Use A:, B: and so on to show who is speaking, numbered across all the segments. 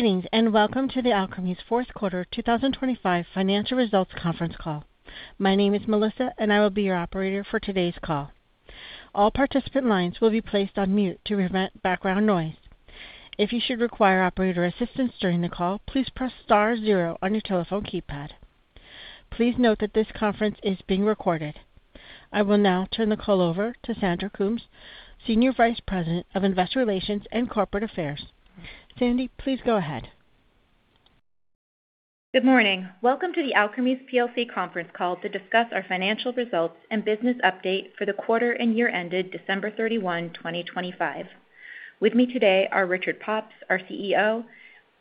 A: Greetings, and welcome to the Alkermes' Fourth Quarter 2025 Financial Results Conference Call. My name is Melissa, and I will be your operator for today's call. All participant lines will be placed on mute to prevent background noise. If you should require operator assistance during the call, please press star on your telephone keypad. Please note that this conference is being recorded. I will now turn the call over to Sandy Coombs, Senior Vice President of Investor Relations and Corporate Affairs. Sandy, please go ahead.
B: Good morning. Welcome to the Alkermes plc conference call to discuss our financial results and business update for the quarter and year ended 31 December, 2025. With me today are Richard Pops, our CEO,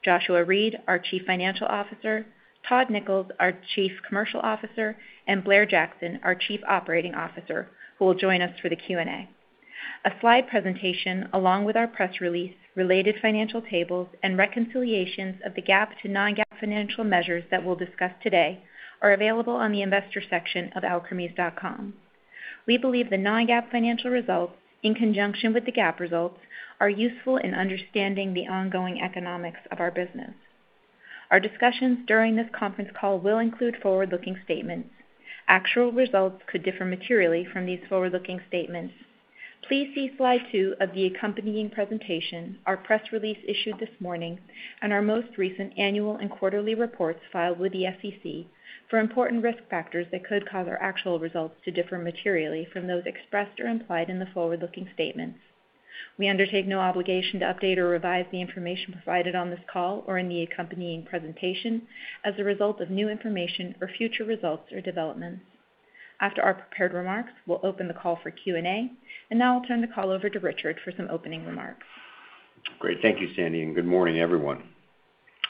B: Iain Brown, our Chief Financial Officer, Todd Nichols, our Chief Commercial Officer, and Blair Jackson, our Chief Operating Officer, who will join us for the Q&A. A slide presentation, along with our press release, related financial tables and reconciliations of the GAAP to non-GAAP financial measures that we'll discuss today, are available on the investor section of alkermes.com. We believe the non-GAAP financial results, in conjunction with the GAAP results, are useful in understanding the ongoing economics of our business. Our discussions during this conference call will include forward-looking statements. Actual results could differ materially from these forward-looking statements. Please see slide two of the accompanying presentation, our press release issued this morning, and our most recent annual and quarterly reports filed with the SEC for important risk factors that could cause our actual results to differ materially from those expressed or implied in the forward-looking statements. We undertake no obligation to update or revise the information provided on this call or in the accompanying presentation as a result of new information or future results or developments. After our prepared remarks, we'll open the call for Q&A. Now I'll turn the call over to Richard for some opening remarks.
C: Great. Thank you, Sandy, good morning, everyone.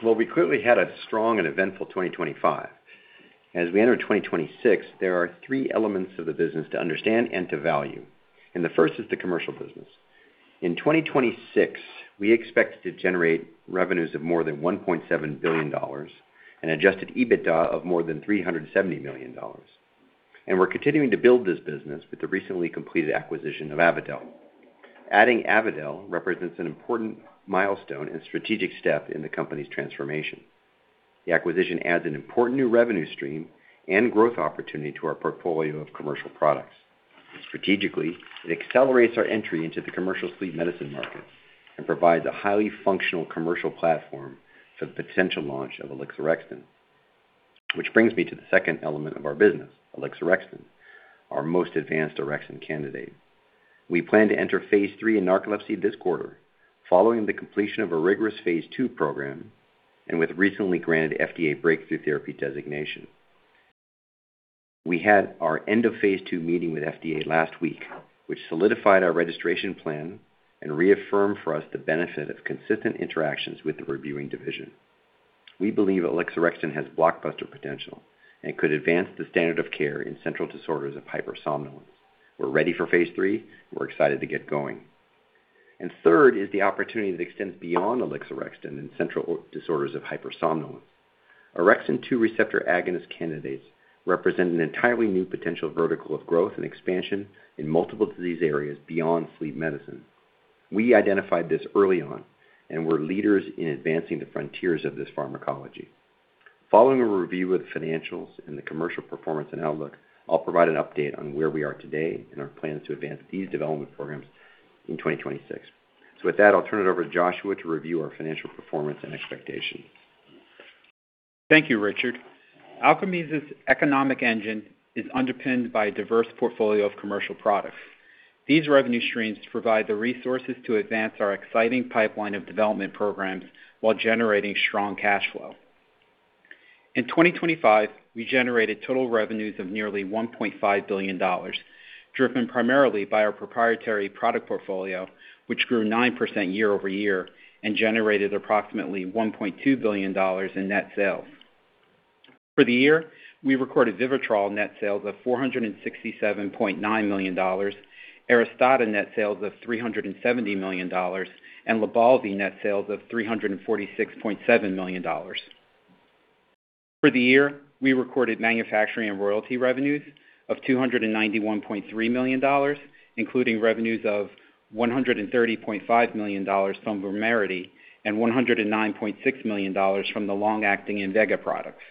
C: Well, we clearly had a strong and eventful 2025. As we enter 2026, there are three elements of the business to understand and to value, the first is the commercial business. In 2026, we expect to generate revenues of more than $1.7 billion and adjusted EBITDA of more than $370 million. We're continuing to build this business with the recently completed acquisition of Avadel. Adding Avadel represents an important milestone and strategic step in the company's transformation. The acquisition adds an important new revenue stream and growth opportunity to our portfolio of commercial products. Strategically, it accelerates our entry into the commercial sleep medicine markets and provides a highly functional commercial platform for the potential launch of alixorexton. Which brings me to the second element of our business, alixorexton, our most advanced orexin candidate. We plan to enter phase III in narcolepsy this quarter, following the completion of a rigorous phase II program and with recently granted FDA Breakthrough Therapy designation. We had our end-of-phase II meeting with FDA last week, which solidified our registration plan and reaffirmed for us the benefit of consistent interactions with the reviewing division. We believe alixorexton has blockbuster potential and could advance the standard of care in central disorders of hypersomnolence. We're ready for phase III. We're excited to get going. Third is the opportunity that extends beyond alixorexton in central disorders hypersomnolence orexin 2 receptor agonist candidates represent an entirely new potential vertical of growth and expansion in multiple disease areas beyond sleep medicine. We identified this early on, we're leaders in advancing the frontiers of this pharmacology. Following a review of the financials and the commercial performance and outlook, I'll provide an update on where we are today and our plans to advance these development programs in 2026. With that, I'll turn it over to Joshua to review our financial performance and expectations.
D: Thank you, Richard. Alkermes' economic engine is underpinned by a diverse portfolio of commercial products. These revenue streams provide the resources to advance our exciting pipeline of development programs while generating strong cash flow. In 2025, we generated total revenues of nearly $1.5 billion, driven primarily by our proprietary product portfolio, which grew 9% year-over-year and generated approximately $1.2 billion in net sales. For the year, we recorded VIVITROL net sales of $467.9 million, ARISTADA net sales of $370 million, and LYBALVI net sales of $346.7 million. For the year, we recorded manufacturing and royalty revenues of $291.3 million, including revenues of $130.5 million from VUMERITY and $109.6 million from the long-acting Invega products.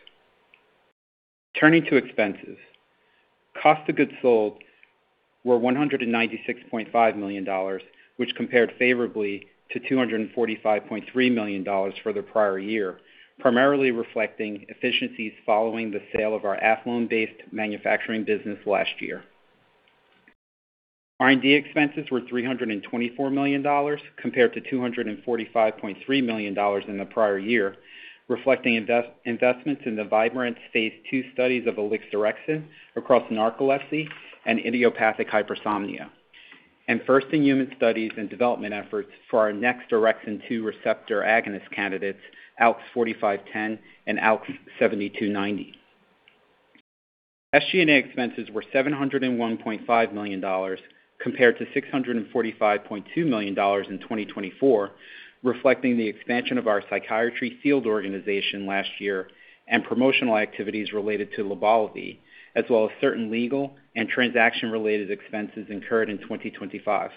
D: Turning to expenses. Cost of goods sold were $196.5 million, which compared favorably to $245.3 million for the prior year, primarily reflecting efficiencies following the sale of our Athlone-based manufacturing business last year. R&D expenses were $324 million, compared to $245.3 million in the prior year, reflecting investments in the Vibrance phase II studies of alixorexton across narcolepsy and idiopathic hypersomnia, and first in human studies and development efforts for orexin two receptor agonist candidates, ALKS 4510 and ALKS 7290. SG&A expenses were $701.5 million, compared to $645.2 million in 2024, reflecting the expansion of our psychiatry field organization last year and promotional activities related to LYBALVI, as well as certain legal and transaction-related expenses incurred in 2025.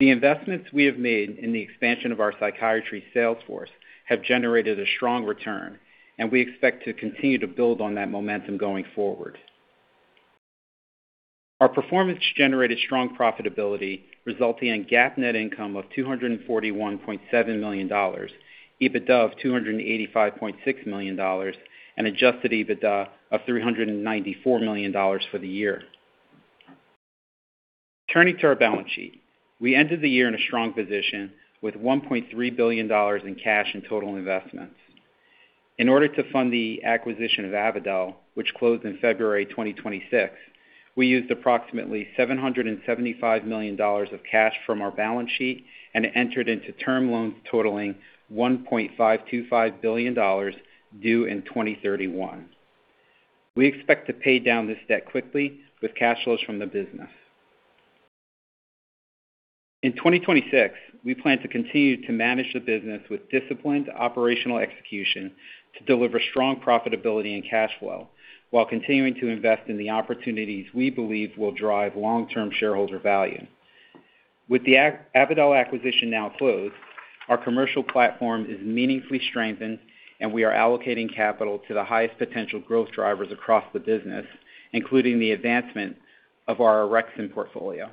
D: The investments we have made in the expansion of our psychiatry sales force have generated a strong return, and we expect to continue to build on that momentum going forward. Our performance generated strong profitability, resulting in GAAP net income of $241.7 million, EBITDA of $285.6 million, and adjusted EBITDA of $394 million for the year. Turning to our balance sheet. We ended the year in a strong position with $1.3 billion in cash and total investments. In order to fund the acquisition of Avadel, which closed in February 2026, we used approximately $775 million of cash from our balance sheet and entered into term loans totaling $1.525 billion, due in 2031. We expect to pay down this debt quickly with cash flows from the business. In 2026, we plan to continue to manage the business with disciplined operational execution to deliver strong profitability and cash flow, while continuing to invest in the opportunities we believe will drive long-term shareholder value. With the Avadel acquisition now closed, our commercial platform is meaningfully strengthened, and we are allocating capital to the highest potential growth drivers across the business, including the advancement of our Orexin portfolio.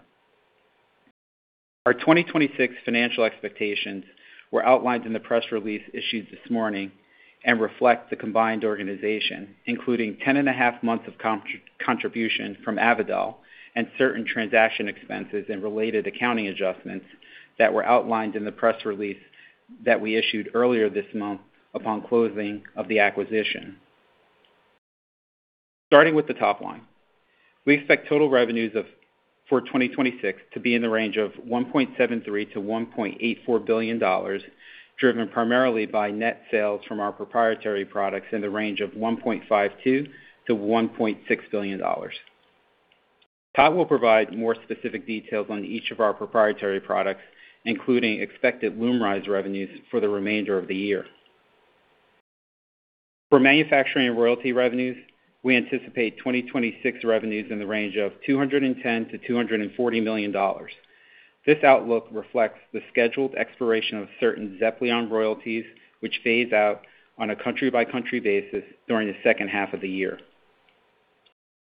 D: Our 2026 financial expectations were outlined in the press release issued this morning and reflect the combined organization, including 10 and a half months of contribution from Avadel and certain transaction expenses and related accounting adjustments that were outlined in the press release that we issued earlier this month upon closing of the acquisition. Starting with the top line, we expect total revenues for 2026 to be in the range of $1.73 billion-$1.84 billion, driven primarily by net sales from our proprietary products in the range of $1.52 billion-$1.6 billion. Todd will provide more specific details on each of our proprietary products, including expected LUMRYZ revenues for the remainder of the year. For manufacturing and royalty revenues, we anticipate 2026 revenues in the range of $210 million to $240 million. This outlook reflects the scheduled expiration of certain XEPLION royalties, which phase out on a country-by-country basis during the second half of the year.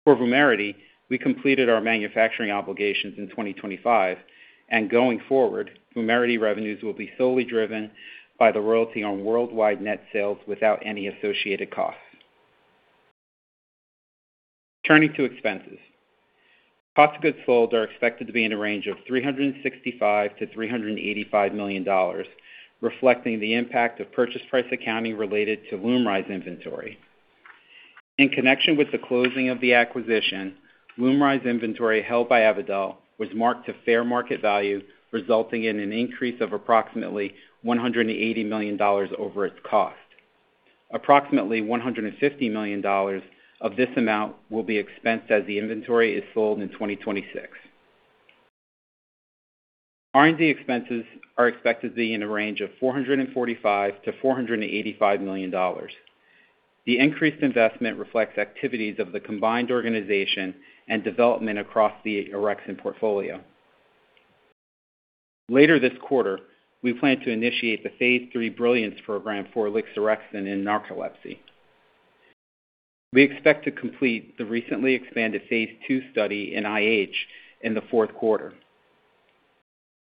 D: For VUMERITY, we completed our manufacturing obligations in 2025. Going forward, VUMERITY revenues will be solely driven by the royalty on worldwide net sales without any associated costs. Turning to expenses. Cost of goods sold are expected to be in a range of $365 million to $385 million, reflecting the impact of purchase price accounting related to LUMRYZ inventory. In connection with the closing of the acquisition, LUMRYZ inventory held by Avadel was marked to fair market value, resulting in an increase of approximately $180 million over its cost. Approximately $150 million of this amount will be expensed as the inventory is sold in 2026. R&D expenses are expected to be in a range of $445 million to $485 million. The increased investment reflects activities of the combined organization and development across the orexin portfolio. Later this quarter, we plan to initiate the phase III Brilliance program for alixorexton in narcolepsy. We expect to complete the recently expanded phase II study in IH in the fourth quarter.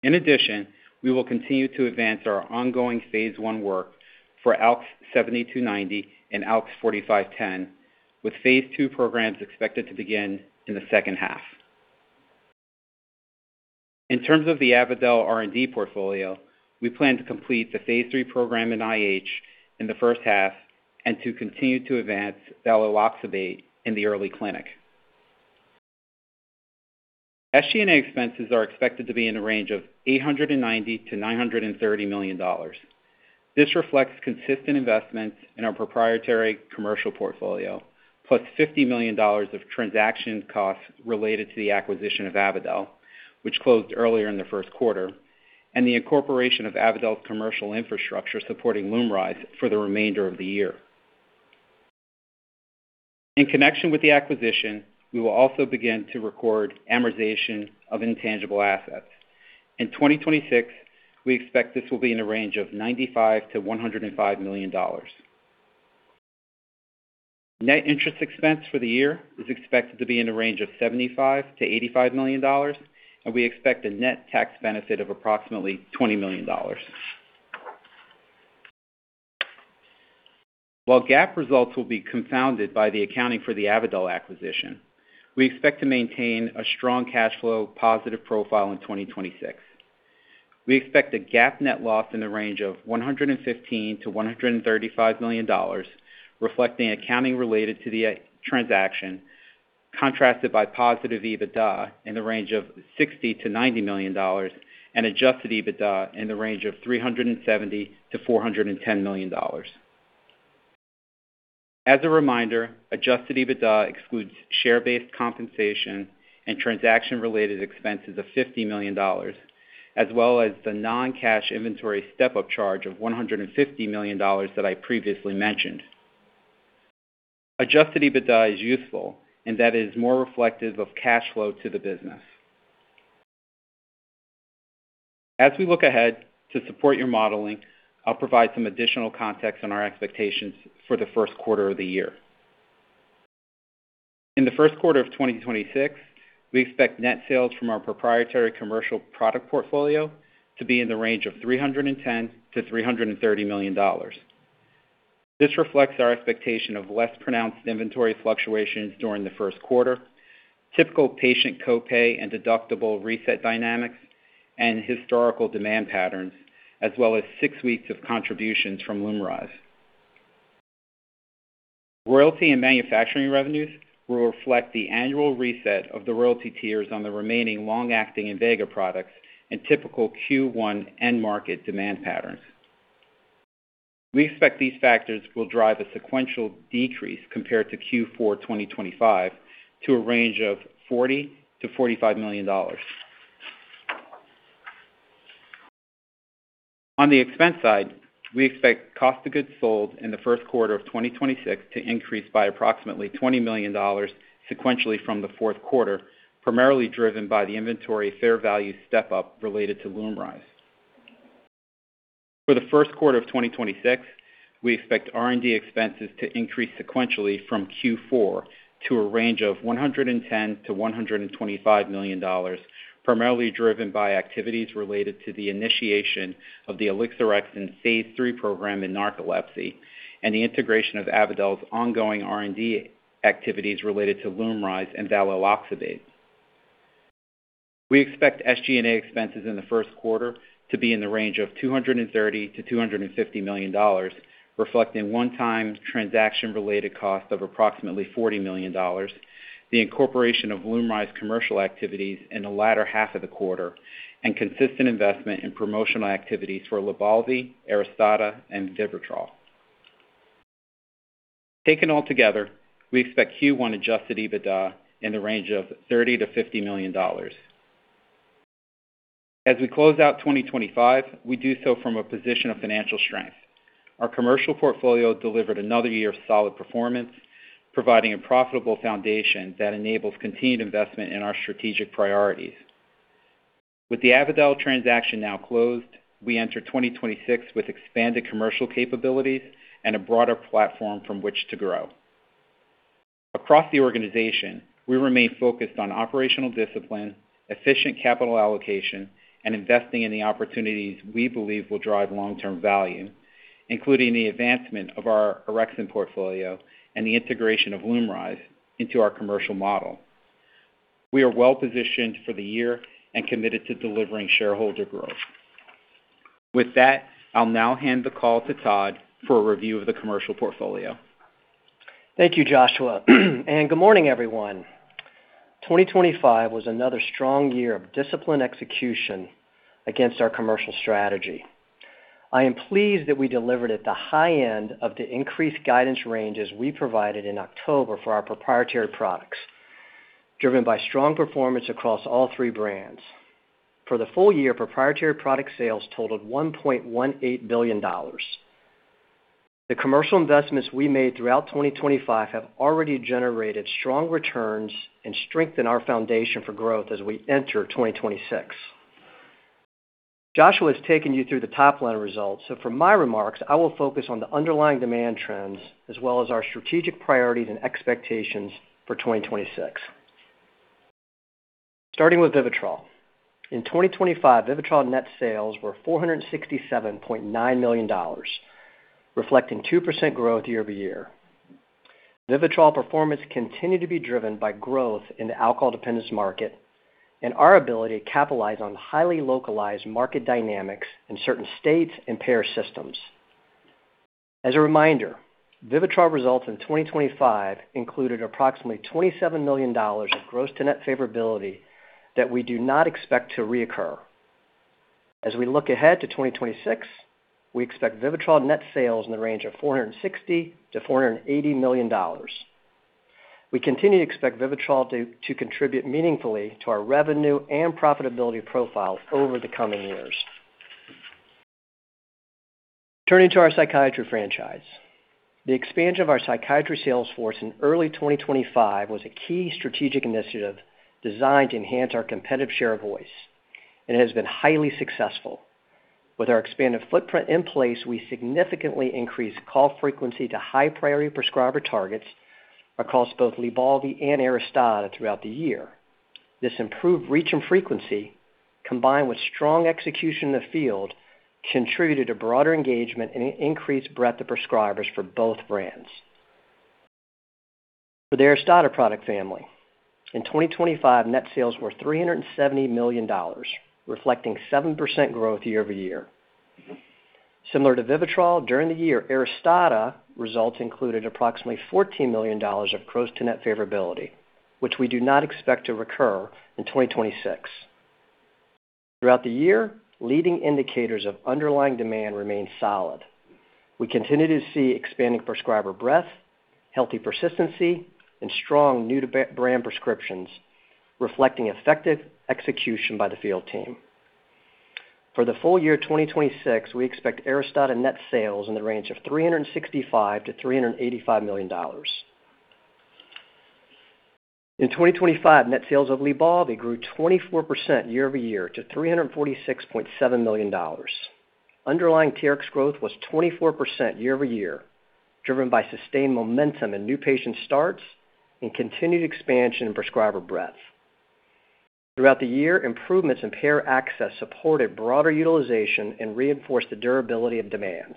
D: In addition, we will continue to advance our ongoing phase I work for ALKS 7290 and ALKS 4510, with phase II programs expected to begin in the second half. In terms of the Avadel R&D portfolio, we plan to complete the phase III program in IH in the first half and to continue to advance Valiloxybate in the early clinic. SG&A expenses are expected to be in the range of $890 million to $930 million. This reflects consistent investments in our proprietary commercial portfolio, plus $50 million of transaction costs related to the acquisition of Avadel, which closed earlier in the first quarter, and the incorporation of Avadel's commercial infrastructure supporting LUMRYZ for the remainder of the year. In connection with the acquisition, we will also begin to record amortization of intangible assets. In 2026, we expect this will be in a range of $95 million to $105 million. Net interest expense for the year is expected to be in the range of $75 million to $85 million, and we expect a net tax benefit of approximately $20 million. While GAAP results will be confounded by the accounting for the Avadel acquisition, we expect to maintain a strong cash flow positive profile in 2026. We expect a GAAP net loss in the range of $115 million to $135 million, reflecting accounting related to the transaction, contrasted by positive EBITDA in the range of $60 million to $90 million and adjusted EBITDA in the range of $370 million to $410 million. As a reminder, adjusted EBITDA excludes share-based compensation and transaction-related expenses of $50 million, as well as the non-cash inventory step-up charge of $150 million that I previously mentioned. Adjusted EBITDA is useful and that is more reflective of cash flow to the business. As we look ahead to support your modeling, I'll provide some additional context on our expectations for the first quarter of the year. In the first quarter of 2026, we expect net sales from our proprietary commercial product portfolio to be in the range of $310 million to $330 million. This reflects our expectation of less pronounced inventory fluctuations during the first quarter, typical patient co-pay and deductible reset dynamics, and historical demand patterns, as well as six weeks of contributions from LUMRYZ. Royalty and manufacturing revenues will reflect the annual reset of the royalty tiers on the remaining long-acting Invega products and typical Q1 end market demand patterns. We expect these factors will drive a sequential decrease compared to Q4 2025, to a range of $40 million to $45 million. On the expense side, we expect cost of goods sold in the first quarter of 2026 to increase by approximately $20 million sequentially from the fourth quarter, primarily driven by the inventory fair value step-up related to LUMRYZ. For the first quarter of 2026, we expect R&D expenses to increase sequentially from Q4 to a range of $110 million to $125 million, primarily driven by activities related to the initiation of the alixorexton phase III program in narcolepsy and the integration of Avadel's ongoing R&D activities related to LUMRYZ and Valiloxybate. We expect SG&A expenses in the first quarter to be in the range of $230 million to $250 million, reflecting one-time transaction-related costs of approximately $40 million, the incorporation of LUMRYZ commercial activities in the latter half of the quarter, and consistent investment in promotional activities for LYBALVI, ARISTADA, and VIVITROL. Taken altogether, we expect Q1 adjusted EBITDA in the range of $30 million to $50 million. As we close out 2025, we do so from a position of financial strength. Our commercial portfolio delivered another year of solid performance, providing a profitable foundation that enables continued investment in our strategic priorities. With the Avadel transaction now closed, we enter 2026 with expanded commercial capabilities and a broader platform from which to grow. Across the organization, we remain focused on operational discipline, efficient capital allocation, and investing in the opportunities we believe will drive long-term value, including the advancement of our orexin portfolio and the integration of LUMRYZ into our commercial model. We are well-positioned for the year and committed to delivering shareholder growth. With that, I'll now hand the call to Todd for a review of the commercial portfolio.
E: Thank you, Joshua, and good morning, everyone. 2025 was another strong year of disciplined execution against our commercial strategy. I am pleased that we delivered at the high end of the increased guidance ranges we provided in October for our proprietary products, driven by strong performance across all three brands. For the full year, proprietary product sales totaled $1.18 billion. The commercial investments we made throughout 2025 have already generated strong returns and strengthen our foundation for growth as we enter 2026. Joshua has taken you through the top-line results, so for my remarks, I will focus on the underlying demand trends as well as our strategic priorities and expectations for 2026. Starting with VIVITROL. In 2025, VIVITROL net sales were $467.9 million, reflecting 2% growth year-over-year. Vivitrol performance continued to be driven by growth in the alcohol dependence market and our ability to capitalize on highly localized market dynamics in certain states and payer systems. A reminder, Vivitrol results in 2025 included approximately $27 million of gross to net favorability that we do not expect to reoccur. We look ahead to 2026, we expect Vivitrol net sales in the range of $460 million to $480 million. We continue to expect Vivitrol to contribute meaningfully to our revenue and profitability profile over the coming years. Turning to our psychiatry franchise. The expansion of our psychiatry sales force in early 2025 was a key strategic initiative designed to enhance our competitive share of voice, it has been highly successful. With our expanded footprint in place, we significantly increased call frequency to high-priority prescriber targets across both LYBALVI and ARISTADA throughout the year. This improved reach and frequency, combined with strong execution in the field, contributed to broader engagement and an increased breadth of prescribers for both brands. For the ARISTADA product family, in 2025, net sales were $370 million, reflecting 7% growth year-over-year. Similar to VIVITROL, during the year, ARISTADA results included approximately $14 million of gross to net favorability, which we do not expect to recur in 2026. Throughout the year, leading indicators of underlying demand remained solid. We continue to see expanding prescriber breadth, healthy persistency, and strong new to brand prescriptions, reflecting effective execution by the field team. For the full year 2026, we expect ARISTADA net sales in the range of $365 million to $385 million. In 2025, net sales of LYBALVI grew 24% year-over-year to $346.7 million. Underlying TRX growth was 24% year-over-year, driven by sustained momentum in new patient starts and continued expansion in prescriber breadth. Throughout the year, improvements in payer access supported broader utilization and reinforced the durability of demand.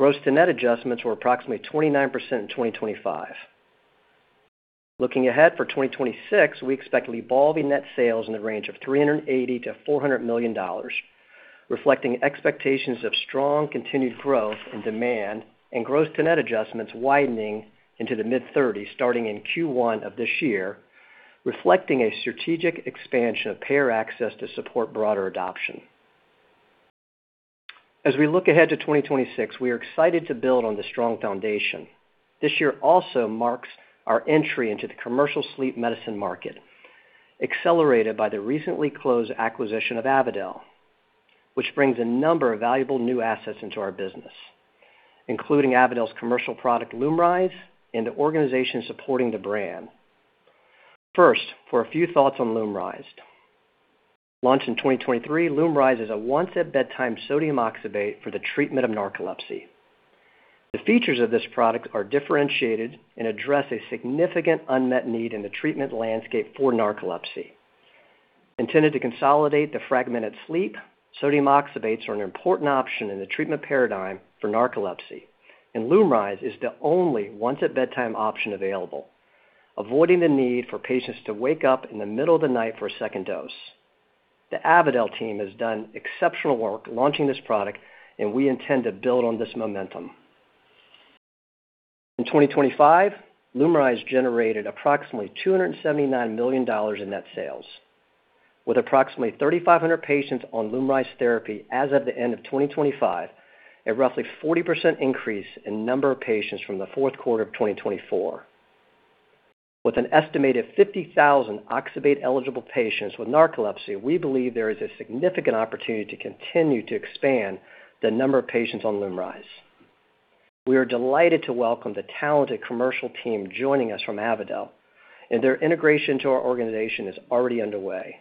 E: gross to net adjustments were approximately 29% in 2025. Looking ahead for 2026, we expect LYBALVI net sales in the range of $380 million to $400 million, reflecting expectations of strong continued growth in demand and gross to net adjustments widening into the mid-30s, starting in Q1 of this year, reflecting a strategic expansion of payer access to support broader adoption. As we look ahead to 2026, we are excited to build on this strong foundation. This year also marks our entry into the commercial sleep medicine market, accelerated by the recently closed acquisition of Avadel, which brings a number of valuable new assets into our business, including Avadel's commercial product, LUMRYZ, and the organization supporting the brand. First, for a few thoughts on LUMRYZ. Launched in 2023, LUMRYZ is a once-at-bedtime sodium oxybate for the treatment of narcolepsy. The features of this product are differentiated and address a significant unmet need in the treatment landscape for narcolepsy. Intended to consolidate the fragmented sleep, sodium oxybates are an important option in the treatment paradigm for narcolepsy. LUMRYZ is the only once-at-bedtime option available, avoiding the need for patients to wake up in the middle of the night for a second dose. The Avadel team has done exceptional work launching this product. We intend to build on this momentum. In 2025, LUMRYZ generated approximately $279 million in net sales, with approximately 3,500 patients on LUMRYZ therapy as of the end of 2025, a roughly 40% increase in number of patients from the fourth quarter of 2024. With an estimated 50,000 oxybate-eligible patients with narcolepsy, we believe there is a significant opportunity to continue to expand the number of patients on LUMRYZ. We are delighted to welcome the talented commercial team joining us from Avadel, and their integration into our organization is already underway.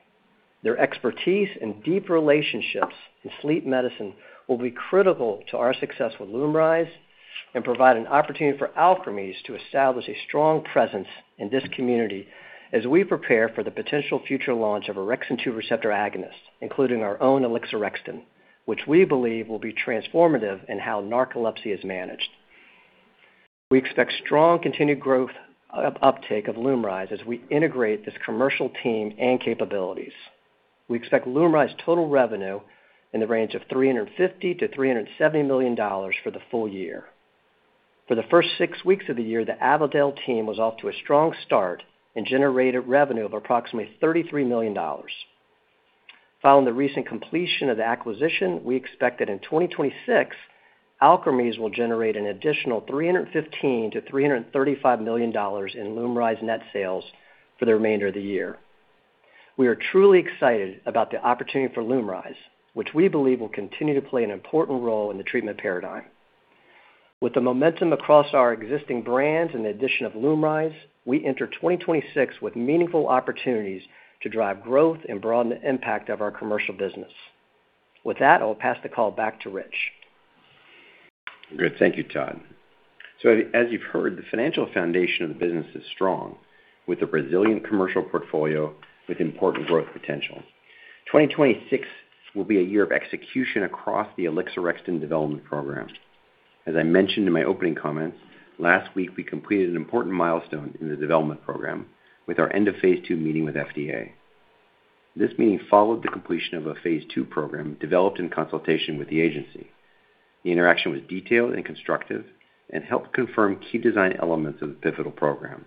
E: Their expertise and deep relationships in sleep medicine will be critical to our success with LUMRYZ and provide an opportunity for Alkermes to establish a strong presence in this community as we prepare for the potential future launch orexin 2 receptor agonists, including our own alixorexton, which we believe will be transformative in how narcolepsy is managed. We expect strong continued growth of uptake of LUMRYZ as we integrate this commercial team and capabilities. We expect LUMRYZ total revenue in the range of $350 million to $370 million for the full year. For the first 6 weeks of the year, the Avadel team was off to a strong start and generated revenue of approximately $33 million. Following the recent completion of the acquisition, we expect that in 2026, Alkermes will generate an additional $315 million to $335 million in LUMRYZ net sales for the remainder of the year. We are truly excited about the opportunity for LUMRYZ, which we believe will continue to play an important role in the treatment paradigm. With the momentum across our existing brands and the addition of LUMRYZ, we enter 2026 with meaningful opportunities to drive growth and broaden the impact of our commercial business. With that, I'll pass the call back to Rich.
C: Good. Thank you, Todd. As you've heard, the financial foundation of the business is strong, with a resilient commercial portfolio with important growth potential. 2026 will be a year of execution across the alixorexton development program. As I mentioned in my opening comments, last week, we completed an important milestone in the development program with our end of phase II meeting with FDA. This meeting followed the completion of a phase II program developed in consultation with the agency. The interaction was detailed and constructive and helped confirm key design elements of the pivotal program.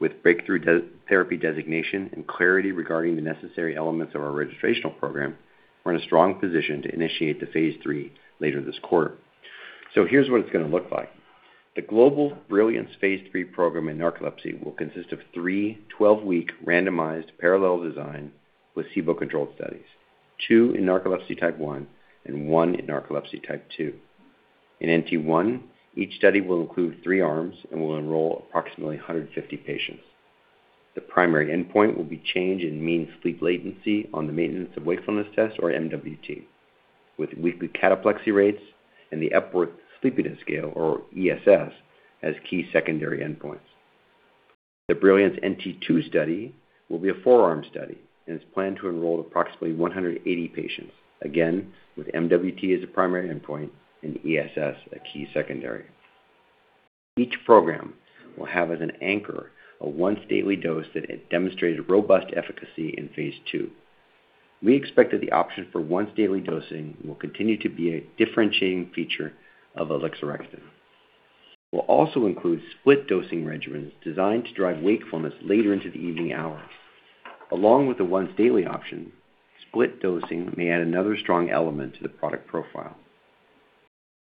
C: With Breakthrough Therapy designation and clarity regarding the necessary elements of our registrational program, we're in a strong position to initiate the phase III later this quarter. Here's what it's going to look like. The Global Brilliance phase III program in narcolepsy will consist of three, 12-weeks, randomized, parallel design with placebo-controlled studies, two in narcolepsy type one and one in narcolepsy type two. In NT1, each study will include three arms and will enroll approximately 150 patients. The primary endpoint will be change in mean sleep latency on the Maintenance of Wakefulness Test, or MWT, with weekly cataplexy rates and the Epworth Sleepiness Scale, or ESS, as key secondary endpoints. The Brilliance NT2 study will be a 4-arm study and is planned to enroll approximately 180 patients, again, with MWT as a primary endpoint and ESS a key secondary. Each program will have as an anchor, a once daily dose that demonstrates robust efficacy in phase II. We expect that the option for once daily dosing will continue to be a differentiating feature of alixorexton. We'll also include split dosing regimens designed to drive wakefulness later into the evening hours. Along with the once daily option, split dosing may add another strong element to the product profile.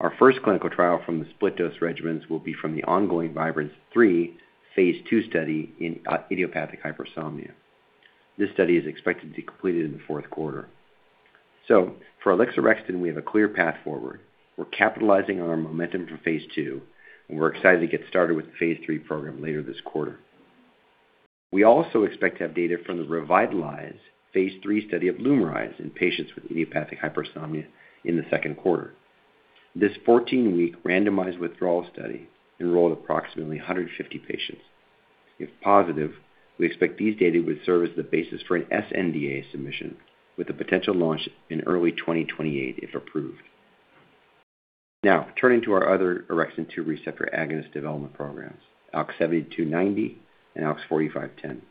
C: Our first clinical trial from the split dose regimens will be from the ongoing Vibrance-3 phase II study in idiopathic hypersomnia. This study is expected to be completed in the fourth quarter. For alixorexton, we have a clear path forward. We're capitalizing on our momentum from phase II, and we're excited to get started with the phase III program later this quarter. We also expect to have data from the REVITALYZ phase III study of LUMRYZ in patients with idiopathic hypersomnia in the second quarter. This 14-week randomized withdrawal study enrolled approximately 150 patients. If positive, we expect these data would serve as the basis for an sNDA submission, with a potential launch in early 2028, if approved. Turning to our orexin 2 receptor agonist development programs, ALKS 7290 and ALKS 4510.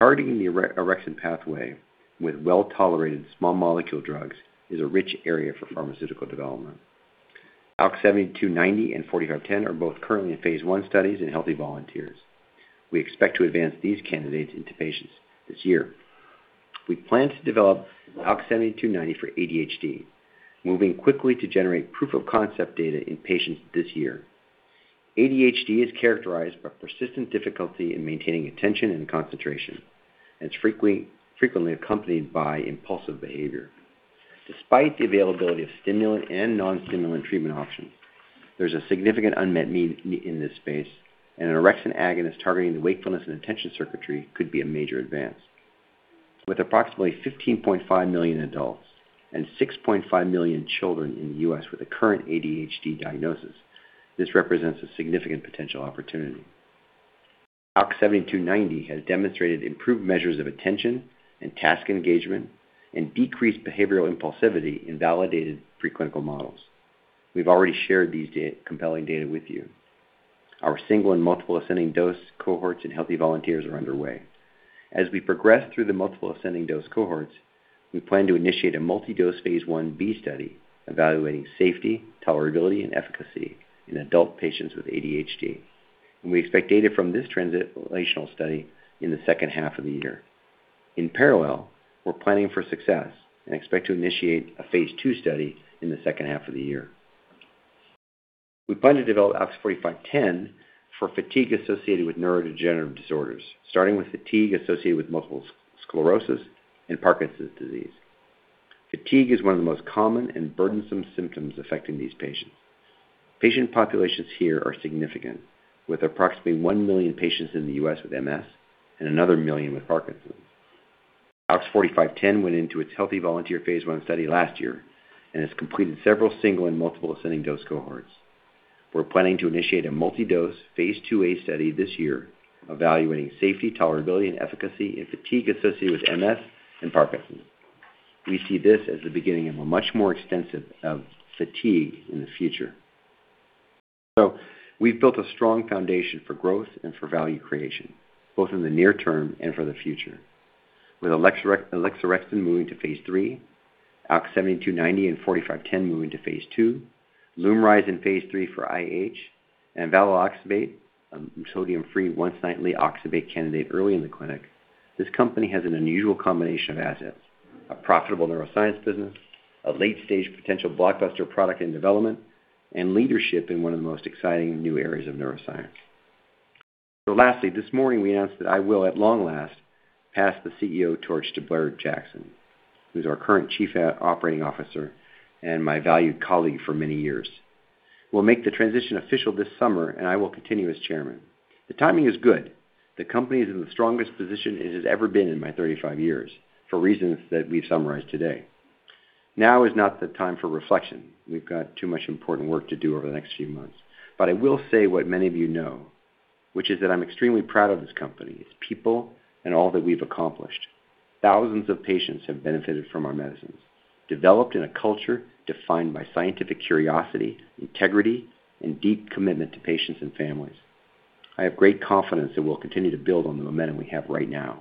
C: Targeting the orexin pathway with well-tolerated small molecule drugs is a rich area for pharmaceutical development. ALKS 7290 and 4510 are both currently in phase I studies in healthy volunteers. We expect to advance these candidates into patients this year. We plan to develop ALKS 7290 for ADHD, moving quickly to generate proof-of-concept data in patients this year. ADHD is characterized by persistent difficulty in maintaining attention and concentration, and it's frequently accompanied by impulsive behavior. Despite the availability of stimulant and non-stimulant treatment options, there's a significant unmet need in this space, and an orexin agonist targeting the wakefulness and attention circuitry could be a major advance. With approximately 15.5 million adults and 6.5 million children in the U.S. with a current ADHD diagnosis, this represents a significant potential opportunity. ALKS 7290 has demonstrated improved measures of attention and task engagement and decreased behavioral impulsivity in validated preclinical models. We've already shared these compelling data with you. Our single and multiple ascending dose cohorts in healthy volunteers are underway. As we progress through the multiple ascending dose cohorts, we plan to initiate a multi-dose phase Ib study evaluating safety, tolerability, and efficacy in adult patients with ADHD. We expect data from this translational study in the second half of the year. In parallel, we're planning for success and expect to initiate a phase II study in the second half of the year. We plan to develop ALKS 4510 for fatigue associated with neurodegenerative disorders, starting with fatigue associated with multiple sclerosis and Parkinson's disease. Fatigue is one of the most common and burdensome symptoms affecting these patients. Patient populations here are significant, with approximately 1 million patients in the U.S. with MS and another 1 million with Parkinson's. ALKS 4510 went into its healthy volunteer phase I study last year and has completed several single and multiple ascending dose cohorts. We're planning to initiate a multi-dose phase IIa study this year, evaluating safety, tolerability, and efficacy in fatigue associated with MS and Parkinson's. We see this as the beginning of a much more extensive of fatigue in the future. We've built a strong foundation for growth and for value creation, both in the near term and for the future. With alixorexton moving to phase III, ALKS 7290 and ALKS 4510 moving to phase II, LUMRYZ in phase III for IH, and Valiloxybate, a sodium-free, once-nightly oxybate candidate early in the clinic. This company has an unusual combination of assets: a profitable neuroscience business, a late-stage potential blockbuster product in development, and leadership in one of the most exciting new areas of neuroscience. Lastly, this morning, we announced that I will, at long last, pass the CEO torch to Blair Jackson, who's our current Chief Operating Officer and my valued colleague for many years. We'll make the transition official this summer, and I will continue as chairman. The timing is good. The company is in the strongest position it has ever been in my 35 years, for reasons that we've summarized today. Now is not the time for reflection. We've got too much important work to do over the next few months. I will say what many of you know, which is that I'm extremely proud of this company, its people, and all that we've accomplished. Thousands of patients have benefited from our medicines, developed in a culture defined by scientific curiosity, integrity, and deep commitment to patients and families. I have great confidence that we'll continue to build on the momentum we have right now.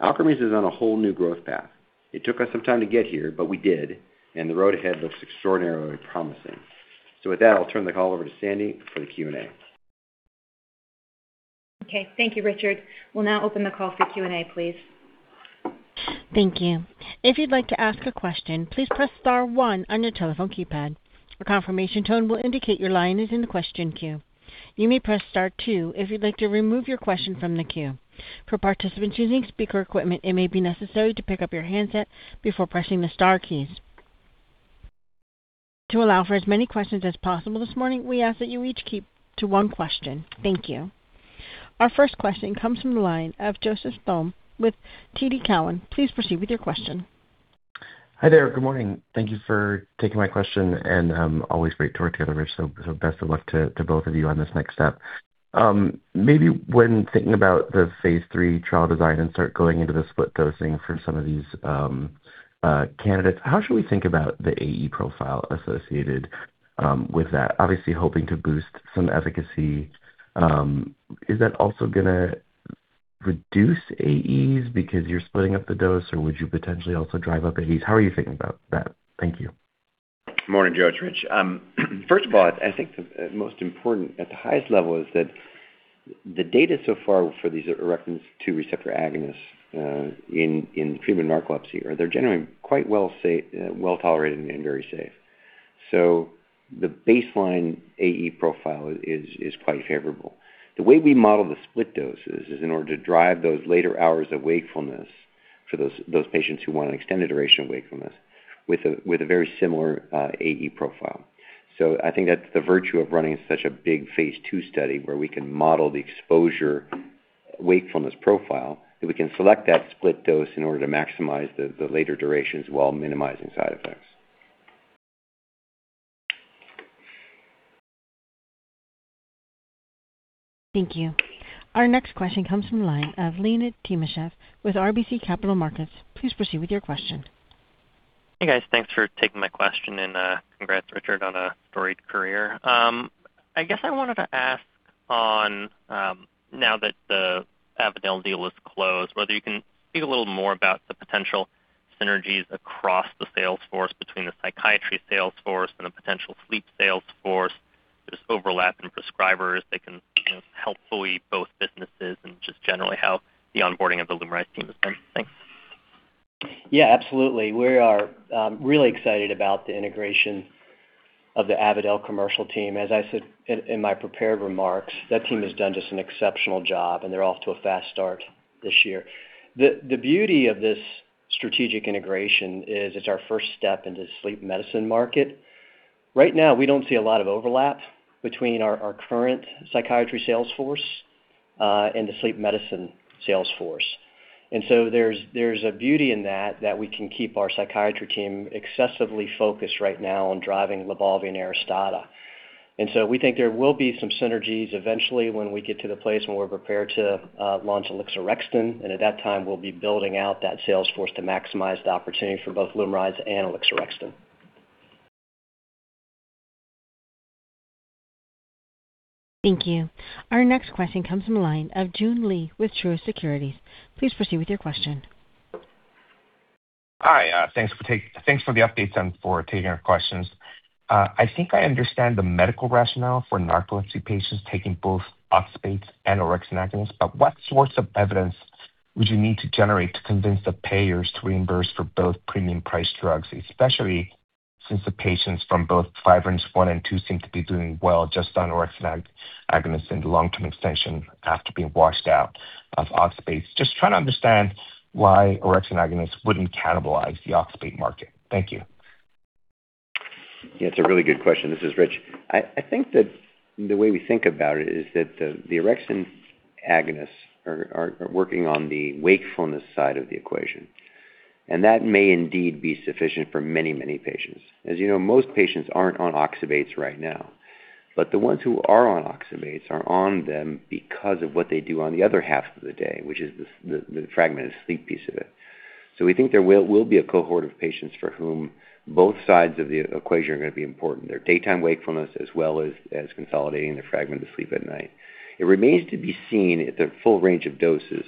C: Alkermes is on a whole new growth path. It took us some time to get here, but we did, and the road ahead looks extraordinarily promising. With that, I'll turn the call over to Sandy for the Q&A.
B: Okay, thank you, Richard. We'll now open the call for Q&A, please.
A: Thank you. If you'd like to ask a question, please press star one on your telephone keypad. A confirmation tone will indicate your line is in the question queue. You may press star two if you'd like to remove your question from the queue. For participants using speaker equipment, it may be necessary to pick up your handset before pressing the star keys. To allow for as many questions as possible this morning, we ask that you each keep to one question. Thank you. Our first question comes from the line of Joseph Thome with TD Cowen. Please proceed with your question.
F: Hi there. Good morning. Thank you for taking my question, and, always great to work together, Rich, so best of luck to both of you on this next step. Maybe when thinking about the phase III trial design and start going into the split dosing for some of these candidates, how should we think about the AE profile associated with that? Obviously, hoping to boost some efficacy. Is that also gonna reduce AEs because you're splitting up the dose, or would you potentially also drive up AEs? How are you thinking about that? Thank you.
C: Morning, Joe. It's Rich. First of all, I think the most important at the highest level is that. The data so far orexin 2 receptor agonists, in treatment narcolepsy, are they're generally quite well tolerated and very safe. The baseline AE profile is quite favorable. The way we model the split doses is in order to drive those later hours of wakefulness for those patients who want an extended duration of wakefulness with a very similar AE profile. I think that's the virtue of running such a big phase two study, where we can model the exposure wakefulness profile, and we can select that split dose in order to maximize the later durations while minimizing side effects.
A: Thank you. Our next question comes from the line of Leonid Timashev with RBC Capital Markets. Please proceed with your question.
G: Hey, guys. Thanks for taking my question, and congrats, Richard, on a storied career. I guess I wanted to ask on now that the Avadel deal is closed, whether you can speak a little more about the potential synergies across the sales force between the psychiatry sales force and the potential sleep sales force, just overlap in prescribers that can helpfully both businesses and just generally how the onboarding of the LUMRYZ team is going. Thanks.
E: Absolutely. We are really excited about the integration of the Avadel commercial team. As I said in my prepared remarks, that team has done just an exceptional job, and they're off to a fast start this year. The beauty of this strategic integration is it's our first step into the sleep medicine market. Right now, we don't see a lot of overlap between our current psychiatry sales force and the sleep medicine sales force. There's a beauty in that we can keep our psychiatry team excessively focused right now on driving LYBALVI and ARISTADA. We think there will be some synergies eventually when we get to the place when we're prepared to launch alixorexton, and at that time, we'll be building out that sales force to maximize the opportunity for both LUMRYZ and alixorexton.
A: Thank you. Our next question comes from the line of Joon Lee with Truist Securities. Please proceed with your question.
H: Hi, thanks for the updates and for taking our questions. I think I understand the medical rationale for narcolepsy patients taking both oxybates and orexin agonists, but what sorts of evidence would you need to generate to convince the payers to reimburse for both premium price drugs, especially since the patients from both NT1 and NT2 seem to be doing well just on orexin agonist in the long-term extension after being washed out of oxybates? Just trying to understand why orexin agonists wouldn't cannibalize the oxybate market. Thank you.
C: Yeah, it's a really good question. This is Rich. I think that the way we think about it is that the orexin agonists are working on the wakefulness side of the equation, that may indeed be sufficient for many, many patients. As you know, most patients aren't on oxybates right now, the ones who are on oxybates are on them because of what they do on the other half of the day, which is the fragmented sleep piece of it. We think there will be a cohort of patients for whom both sides of the equation are going to be important, their daytime wakefulness, as well as consolidating the fragmented sleep at night. It remains to be seen at the full range of doses,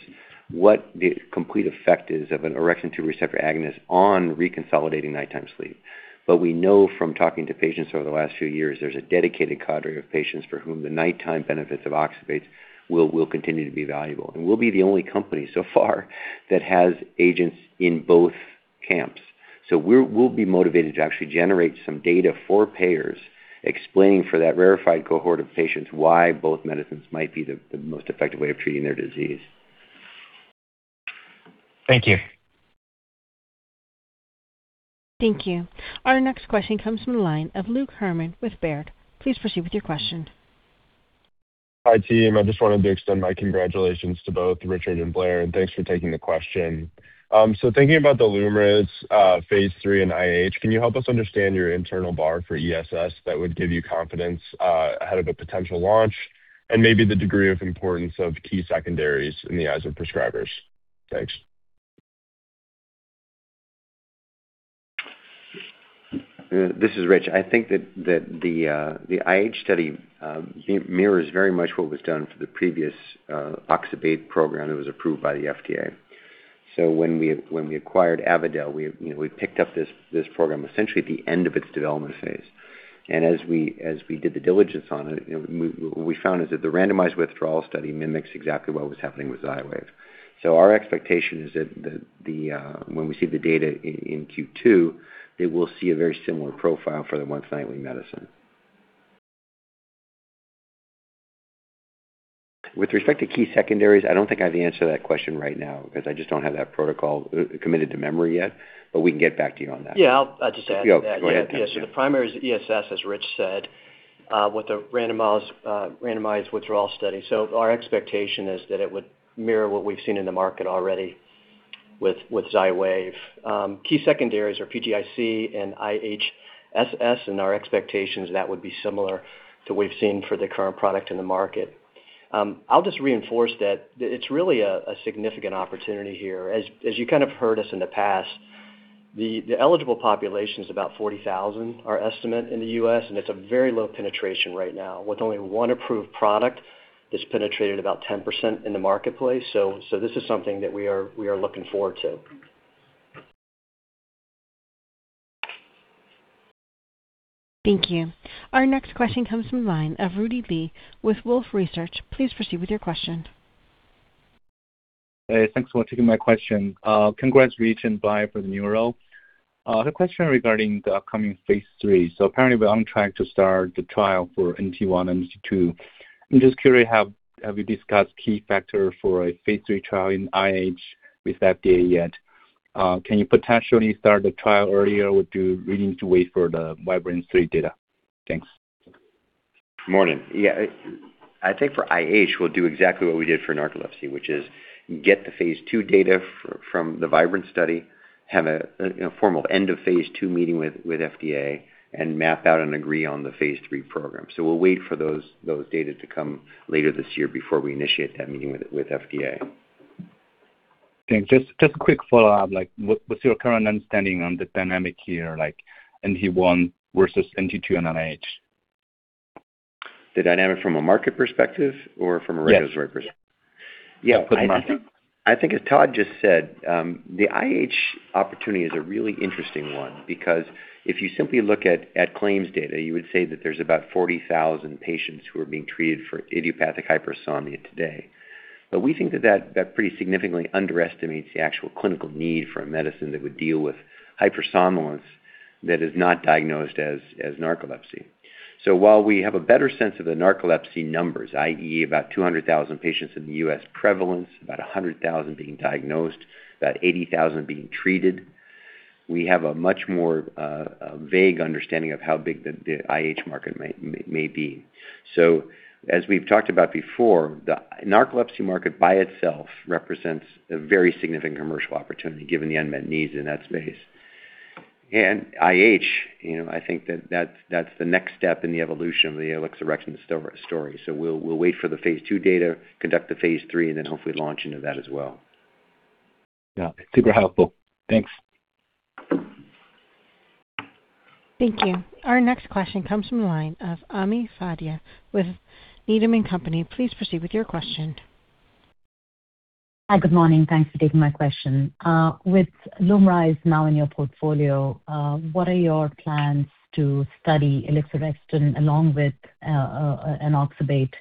C: what the complete effect is orexin 2 receptor agonist on reconsolidating nighttime sleep. We know from talking to patients over the last few years, there's a dedicated cadre of patients for whom the nighttime benefits of oxybates will continue to be valuable, and we'll be the only company so far that has agents in both camps. We'll be motivated to actually generate some data for payers, explaining for that rarefied cohort of patients why both medicines might be the most effective way of treating their disease.
H: Thank you.
A: Thank you. Our next question comes from the line of Luke Herrmann with Baird. Please proceed with your question.
I: Hi, team. I just wanted to extend my congratulations to both Richard and Blair, and thanks for taking the question. Thinking about the LUMRYZ phase III and IH, can you help us understand your internal bar for ESS that would give you confidence ahead of a potential launch, and maybe the degree of importance of key secondaries in the eyes of prescribers? Thanks.
C: This is Rich. I think that the IH study mirrors very much what was done for the previous oxybate program that was approved by the FDA. When we acquired Avadel, we, you know, we picked up this program essentially at the end of its development phase. As we did the diligence on it, you know, we found is that the randomized withdrawal study mimics exactly what was happening with XYWAV. Our expectation is that when we see the data in Q2, it will see a very similar profile for the once nightly medicine. With respect to key secondaries, I don't think I have the answer to that question right now because I just don't have that protocol committed to memory yet, but we can get back to you on that.
E: Yeah, I'll just add.
C: Go ahead.
E: Yes, the primary is ESS, as Rich said, with the randomized withdrawal study. Our expectation is that it would mirror what we've seen in the market already with XYWAV. Key secondaries are PGIC and IHSS, and our expectations, that would be similar to what we've seen for the current product in the market. I'll just reinforce that, it's really a significant opportunity here. As you kind of heard us in the past, the eligible population is about 40,000, our estimate in the US, and it's a very low penetration right now, with only one approved product, it's penetrated about 10% in the marketplace. This is something that we are looking forward to.
A: Thank you. Our next question comes from the line of Rudy Li with Wolfe Research. Please proceed with your question.
J: Thanks for taking my question. Congrats, Rich and Blair, for the new role. The question regarding the upcoming phase three. Apparently, we're on track to start the trial for NT1 and NT2. I'm just curious, have you discussed key factor for a phase three trial in IH with FDA yet? Can you potentially start the trial earlier, or do we need to wait for the Vibrance-3 data? Thanks.
C: Morning. I think for IH, we'll do exactly what we did for narcolepsy, which is get the phase II data from the Vibrance study, have a, you know, formal end of phase II meeting with FDA and map out and agree on the phase III program. We'll wait for those data to come later this year before we initiate that meeting with FDA.
J: Thanks. Just a quick follow-up. Like, what's your current understanding on the dynamic here, like NT1 versus NT2 and IH?
C: The dynamic from a market perspective or from a regulatory perspective?
J: Yes.
C: I think as Todd Nichols just said, the IH opportunity is a really interesting one because if you simply look at claims data, you would say that there's about 40,000 patients who are being treated for idiopathic hypersomnia today. We think that pretty significantly underestimates the actual clinical need for a medicine that would deal with hypersomnolence that is not diagnosed as narcolepsy. While we have a better sense of the narcolepsy numbers, i.e., about 200,000 patients in the US prevalence, about 100,000 being diagnosed About 80,000 being treated, we have a much more vague understanding of how big the IH market may be. As we've talked about before, the narcolepsy market by itself represents a very significant commercial opportunity, given the unmet needs in that space. IH, you know, I think that's the next step in the evolution of the alixorexton story. We'll wait for the phase two data, conduct the phase III, and then hopefully launch into that as well.
J: Yeah. Super helpful. Thanks.
A: Thank you. Our next question comes from the line of Ami Fadia with Needham & Company. Please proceed with your question.
K: Hi, good morning. Thanks for taking my question. With LUMRYZ now in your portfolio, what are your plans to study alixorexton along with an oxybate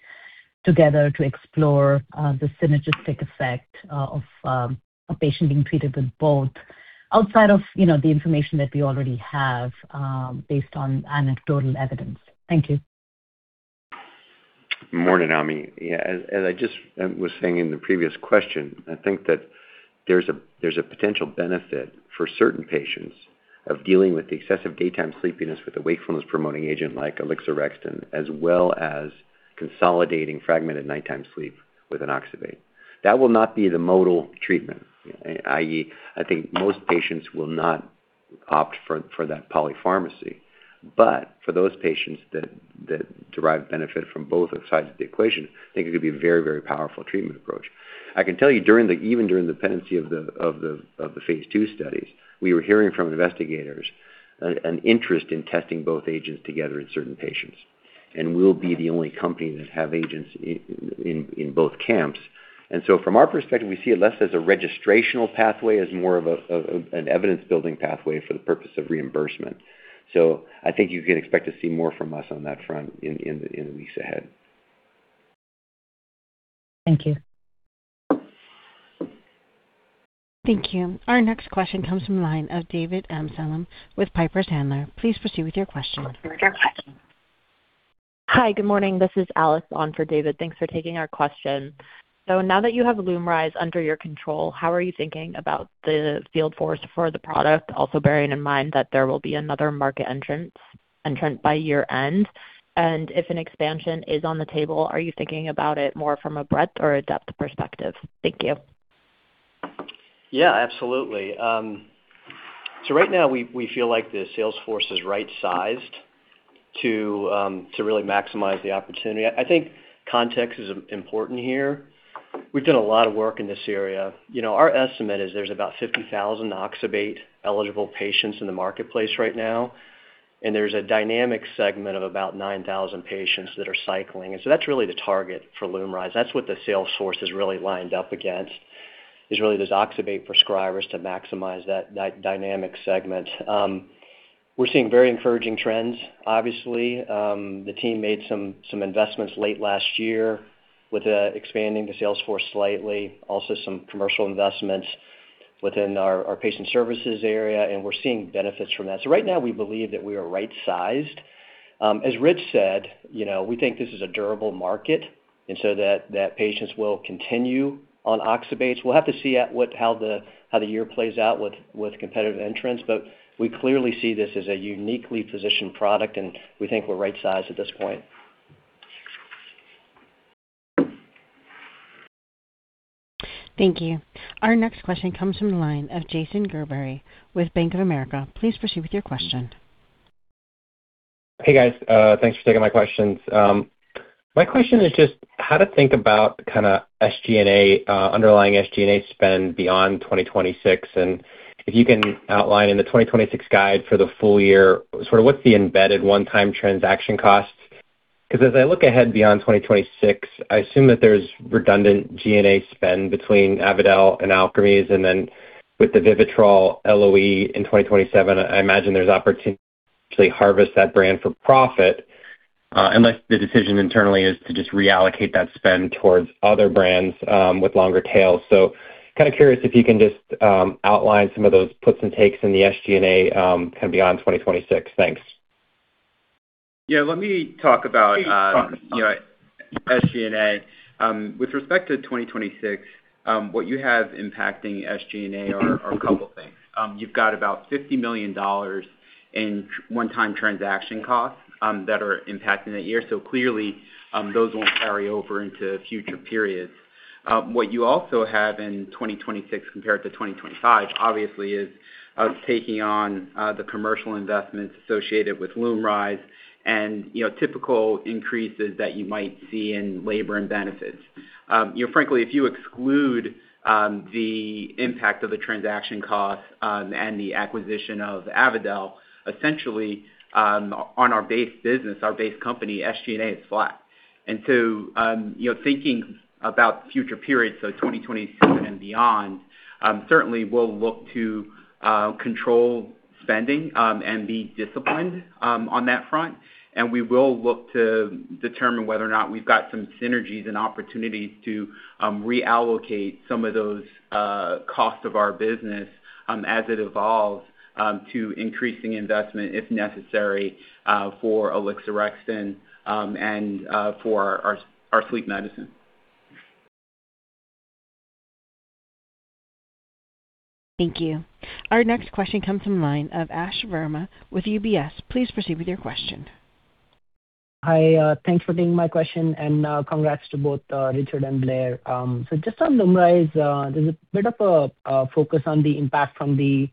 K: together to explore the synergistic effect of a patient being treated with both, outside of, you know, the information that we already have, based on anecdotal evidence? Thank you.
C: Morning, Ami. As I just was saying in the previous question, I think that there's a potential benefit for certain patients of dealing with the excessive daytime sleepiness with the wakefulness-promoting agent like alixorexton, as well as consolidating fragmented nighttime sleep with oxybate. That will not be the modal treatment, i.e., I think most patients will not opt for that polypharmacy. For those patients that derive benefit from both sides of the equation, I think it could be a very powerful treatment approach. I can tell you, even during the pendency of the phase two studies, we were hearing from investigators an interest in testing both agents together in certain patients. We'll be the only company that have agents in both camps. From our perspective, we see it less as a registrational pathway, as more of an evidence-building pathway for the purpose of reimbursement. I think you can expect to see more from us on that front in the weeks ahead.
K: Thank you.
A: Thank you. Our next question comes from the line of David Amsellem with Piper Sandler. Please proceed with your question.
L: Hi, good morning. This is Alice on for David. Thanks for taking our question. Now that you have LUMRYZ under your control, how are you thinking about the field force for the product, also bearing in mind that there will be another market entrant by year-end? If an expansion is on the table, are you thinking about it more from a breadth or a depth perspective? Thank you.
E: Yeah, absolutely. Right now we feel like the sales force is right-sized to really maximize the opportunity. I think context is important here. We've done a lot of work in this area. You know, our estimate is there's about 50,000 oxybate-eligible patients in the marketplace right now, and there's a dynamic segment of about 9,000 patients that are cycling. That's really the target for LUMRYZ. That's what the sales force is really lined up against, is really those oxybate prescribers to maximize that dynamic segment. We're seeing very encouraging trends. Obviously, the team made some investments late last year with expanding the sales force slightly, also some commercial investments within our patient services area, and we're seeing benefits from that. Right now we believe that we are right-sized. As Rich said, you know, we think this is a durable market. That patients will continue on oxybate. We'll have to see how the year plays out with competitive entrants. We clearly see this as a uniquely positioned product, and we think we're right-sized at this point.
A: Thank you. Our next question comes from the line of Jason Gerberry with Bank of America. Please proceed with your question.
M: Hey, guys. thanks for taking my questions. My question is just how to think about the kind of SG&A, underlying SG&A spend beyond 2026. If you can outline in the 2026 guide for the full year, sort of what's the embedded 1-time transaction costs? 'cause as I look ahead beyond 2026, I assume that there's redundant G&A spend between Avadel and Alkermes, and then with the VIVITROL LOE in 2027, I imagine there's opportunity to harvest that brand for profit, unless the decision internally is to just reallocate that spend towards other brands, with longer tails. Kind of curious if you can just outline some of those puts and takes in the SG&A, kind of beyond 2026. Thanks.
N: Yeah, let me talk about, you know, SG&A. With respect to 2026, what you have impacting SG&A are a couple things. You've got about $50 million in one-time transaction costs that are impacting that year. Clearly, those won't carry over into future periods. What you also have in 2026 compared to 2025, obviously, is us taking on the commercial investments associated with Lumryz and, you know, typical increases that you might see in labor and benefits. You know, frankly, if you exclude the impact of the transaction costs and the acquisition of Avadel, essentially, on our base business, our base company, SG&A is flat. You know, thinking about future periods, so 2026 and beyond, certainly we'll look to control spending, and be disciplined on that front. We will look to determine whether or not we've got some synergies and opportunities to reallocate some of those costs of our business as it evolves to increasing investment, if necessary, for alixorexton, and for our sleep medicine.
A: Thank you. Our next question comes from the line of Ashwani Verma with UBS. Please proceed with your question.
O: Hi, thanks for taking my question, and congrats to both Richard and Blair. Just on LUMRYZ, there's a bit of a focus on the impact from the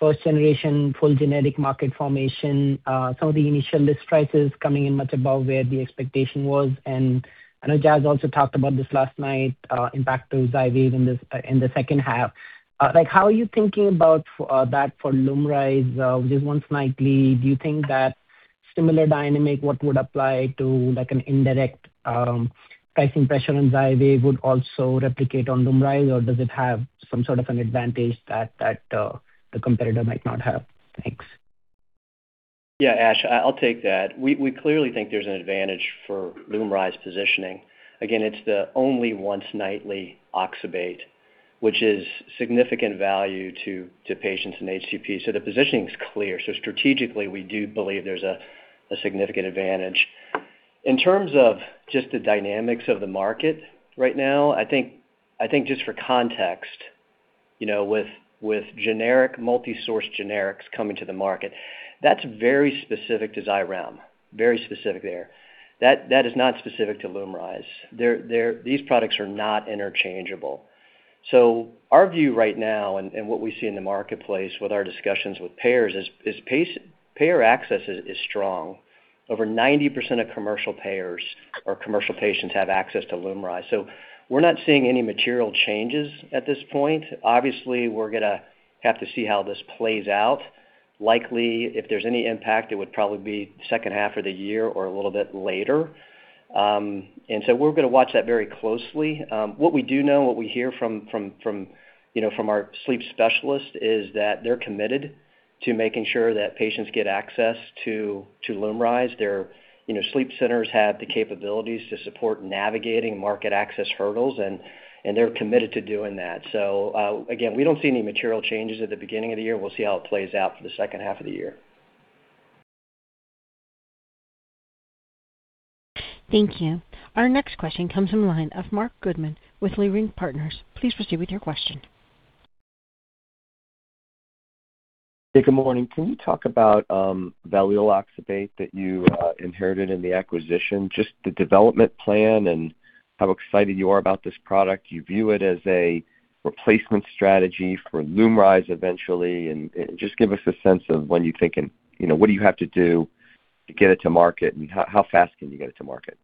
O: first generation full generic market formation, some of the initial list prices coming in much above where the expectation was. I know Jazz also talked about this last night, impact to XYWAV in this in the second half. Like, how are you thinking about that for LUMRYZ, just once nightly? Do you think that similar dynamic, what would apply to, like, an indirect, pricing pressure on XYWAV would also replicate on LUMRYZ, or does it have some sort of an advantage that the competitor might not have? Thanks.
E: Ash, I'll take that. We clearly think there's an advantage for LUMRYZ positioning. Again, it's the only once-nightly oxybate, which is significant value to patients and HCPs. The positioning is clear. Strategically, we do believe there's a significant advantage. In terms of just the dynamics of the market right now, I think just for context, you know, with multi-source generics coming to the market, that's very specific to Xyrem, very specific there. That is not specific to LUMRYZ. These products are not interchangeable. Our view right now and what we see in the marketplace with our discussions with payers is payer access is strong. Over 90% of commercial payers or commercial patients have access to LUMRYZ. We're not seeing any material changes at this point. Obviously, we're gonna have to see how this plays out. Likely, if there's any impact, it would probably be second half of the year or a little bit later. We're gonna watch that very closely. What we do know, what we hear from, you know, from our sleep specialists, is that they're committed to making sure that patients get access to Lumryz. Their, you know, sleep centers have the capabilities to support navigating market access hurdles, and they're committed to doing that. Again, we don't see any material changes at the beginning of the year. We'll see how it plays out for the second half of the year.
A: Thank you. Our next question comes from the line of Marc Goodman with Leerink Partners. Please proceed with your question.
P: Hey, good morning. Can you talk about the Valiloxybate that you inherited in the acquisition, just the development plan and how excited you are about this product? Do you view it as a replacement strategy for Lumryz eventually? Just give us a sense of when you're thinking, what do you have to do to get it to market, and how fast can you get it to market?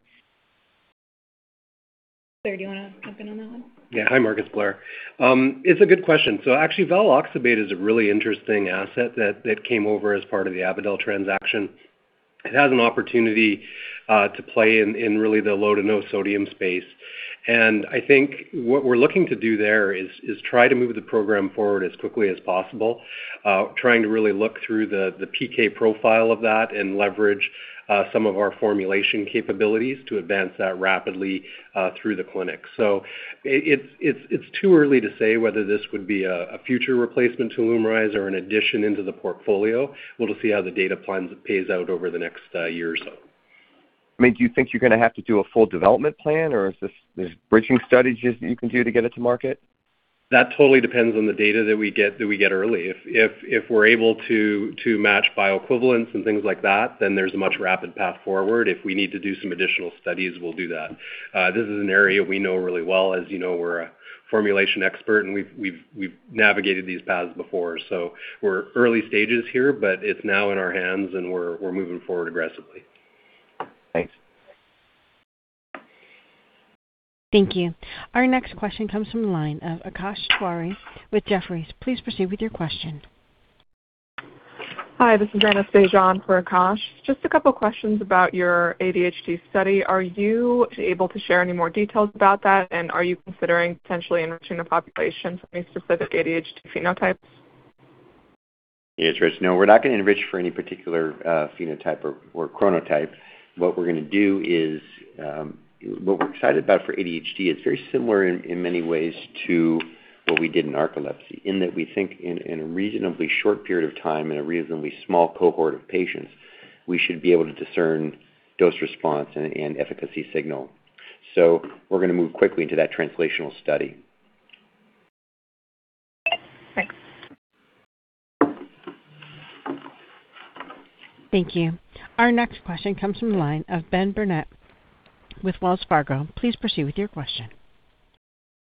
B: Sir, do you wanna hop in on that one?
N: Hi, Marc, it's Blair. It's a good question. Actually, Valoxalate is a really interesting asset that came over as part of the Avadel transaction. It has an opportunity to play in really the low to no sodium space. I think what we're looking to do there is try to move the program forward as quickly as possible, trying to really look through the PK profile of that and leverage some of our formulation capabilities to advance that rapidly through the clinic. It's too early to say whether this would be a future replacement to LUMRYZ or an addition into the portfolio. We'll just see how the data plans pays out over the next year or so.
P: I mean, do you think you're gonna have to do a full development plan, or there's bridging studies you can do to get it to market?
N: That totally depends on the data that we get, that we get early. If we're able to match bioequivalence and things like that, then there's a much rapid path forward. If we need to do some additional studies, we'll do that. This is an area we know really well. As you know, we're a formulation expert, and we've navigated these paths before. We're early stages here, but it's now in our hands, and we're moving forward aggressively.
P: Thanks.
A: Thank you. Our next question comes from the line of Akash Tewari with Jefferies. Please proceed with your question.
Q: Hi, this is Anna St. John for Akash Tewari. Just a couple questions about your ADHD study. Are you able to share any more details about that? Are you considering potentially enriching the population for any specific ADHD phenotypes?
C: Yes, Rich. No, we're not going to enrich for any particular phenotype or chronotype. What we're excited about for ADHD is very similar in many ways to what we did in narcolepsy, in that we think in a reasonably short period of time, in a reasonably small cohort of patients, we should be able to discern dose response and efficacy signal. We're going to move quickly into that translational study.
Q: Thanks.
A: Thank you. Our next question comes from the line of Ben Burnett with Wells Fargo. Please proceed with your question.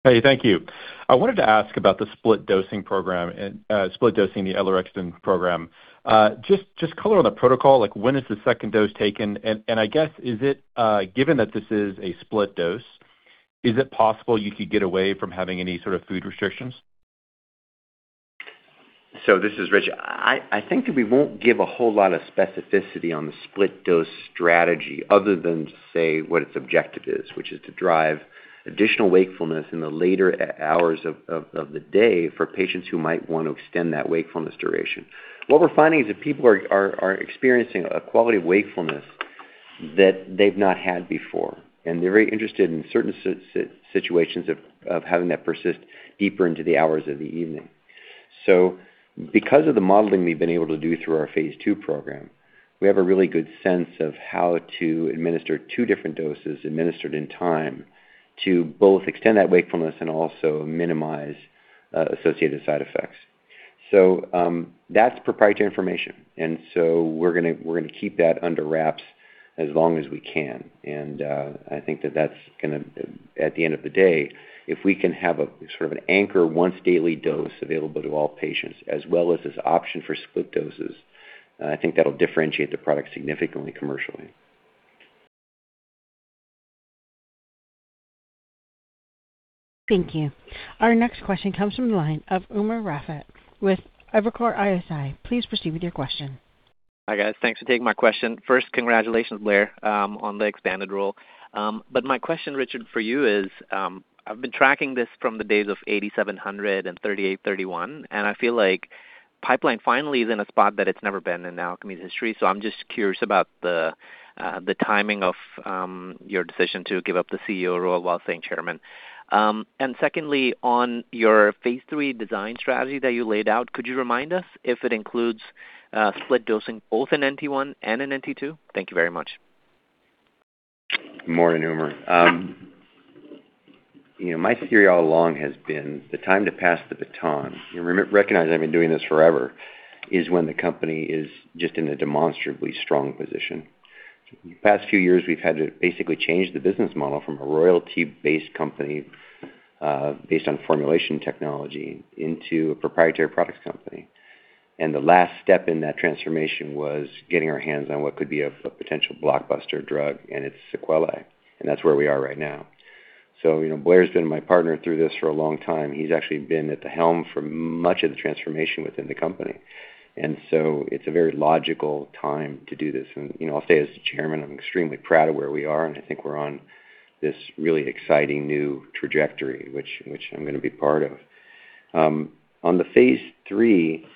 R: Hey, thank you. I wanted to ask about the split dosing program and split dosing the alixorexton program. Just color on the protocol, like, when is the second dose taken? I guess, is it given that this is a split dose, is it possible you could get away from having any sort of food restrictions?
C: This is Rich. I think that we won't give a whole lot of specificity on the split dose strategy other than to say what its objective is, which is to drive additional wakefulness in the later hours of the day for patients who might want to extend that wakefulness duration. What we're finding is that people are experiencing a quality of wakefulness that they've not had before, and they're very interested in certain situations of having that persist deeper into the hours of the evening. Because of the modeling we've been able to do through our phase II program, we have a really good sense of how to administer two different doses administered in time to both extend that wakefulness and also minimize associated side effects. That's proprietary information, and so we're gonna keep that under wraps as long as we can. I think that's gonna, at the end of the day, if we can have a sort of an anchor once daily dose available to all patients as well as this option for split doses, I think that'll differentiate the product significantly commercially.
A: Thank you. Our next question comes from the line of Umer Raffat with Evercore ISI. Please proceed with your question.
S: Hi, guys. Thanks for taking my question. First, congratulations, Blair, on the expanded role. My question, Richard, for you is, I've been tracking this from the days of ALKS 8700 and ALKS 3831, and I feel like pipeline finally is in a spot that it's never been in Alkermes' history. I'm just curious about the timing of your decision to give up the CEO role while staying chairman. Secondly, on your phase III design strategy that you laid out, could you remind us if it includes split dosing, both in NT1 and in NT2? Thank you very much.
C: Morning, Umer. You know, my theory all along has been the time to pass the baton, you recognize I've been doing this forever, is when the company is just in a demonstrably strong position. The past few years, we've had to basically change the business model from a royalty-based company, based on formulation technology into a proprietary products company. The last step in that transformation was getting our hands on what could be a potential blockbuster drug and its sequelae, and that's where we are right now. You know, Blair's been my partner through this for a long time. He's actually been at the helm for much of the transformation within the company. It's a very logical time to do this. You know, I'll say, as the chairman, I'm extremely proud of where we are, and I think we're on this really exciting new trajectory, which I'm going to be part of. On the phase III,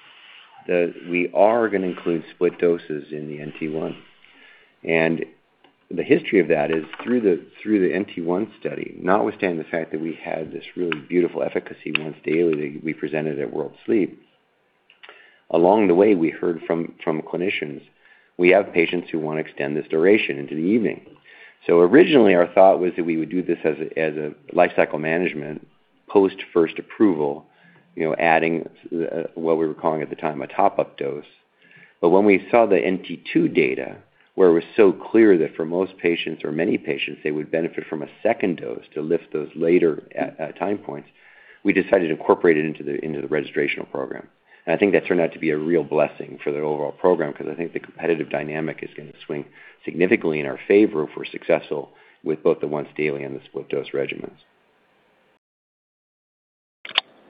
C: we are going to include split doses in the NT1. The history of that is through the NT1 study, notwithstanding the fact that we had this really beautiful efficacy once daily that we presented at World Sleep. Along the way, we heard from clinicians, we have patients who want to extend this duration into the evening. Originally, our thought was that we would do this as a lifecycle management post first approval, you know, adding, what we were calling at the time, a top-up dose. When we saw the NT2 data, where it was so clear that for most patients or many patients, they would benefit from a second dose to lift those later at time points, we decided to incorporate it into the, into the registrational program. I think that turned out to be a real blessing for the overall program because I think the competitive dynamic is going to swing significantly in our favor if we're successful with both the once daily and the split dose regimens.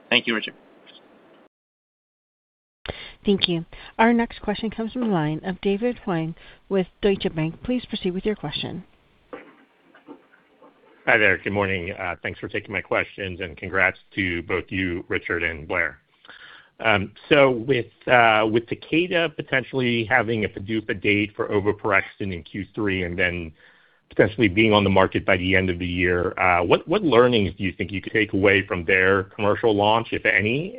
S: Thank you, Richard.
A: Thank you. Our next question comes from the line of David Huang with Deutsche Bank. Please proceed with your question.
T: Hi there. Good morning. Thanks for taking my questions and congrats to both you, Richard and Blair. With Takeda potentially having a PDUFA date for soticlestat in Q3 and then potentially being on the market by the end of the year, what learnings do you think you could take away from their commercial launch, if any?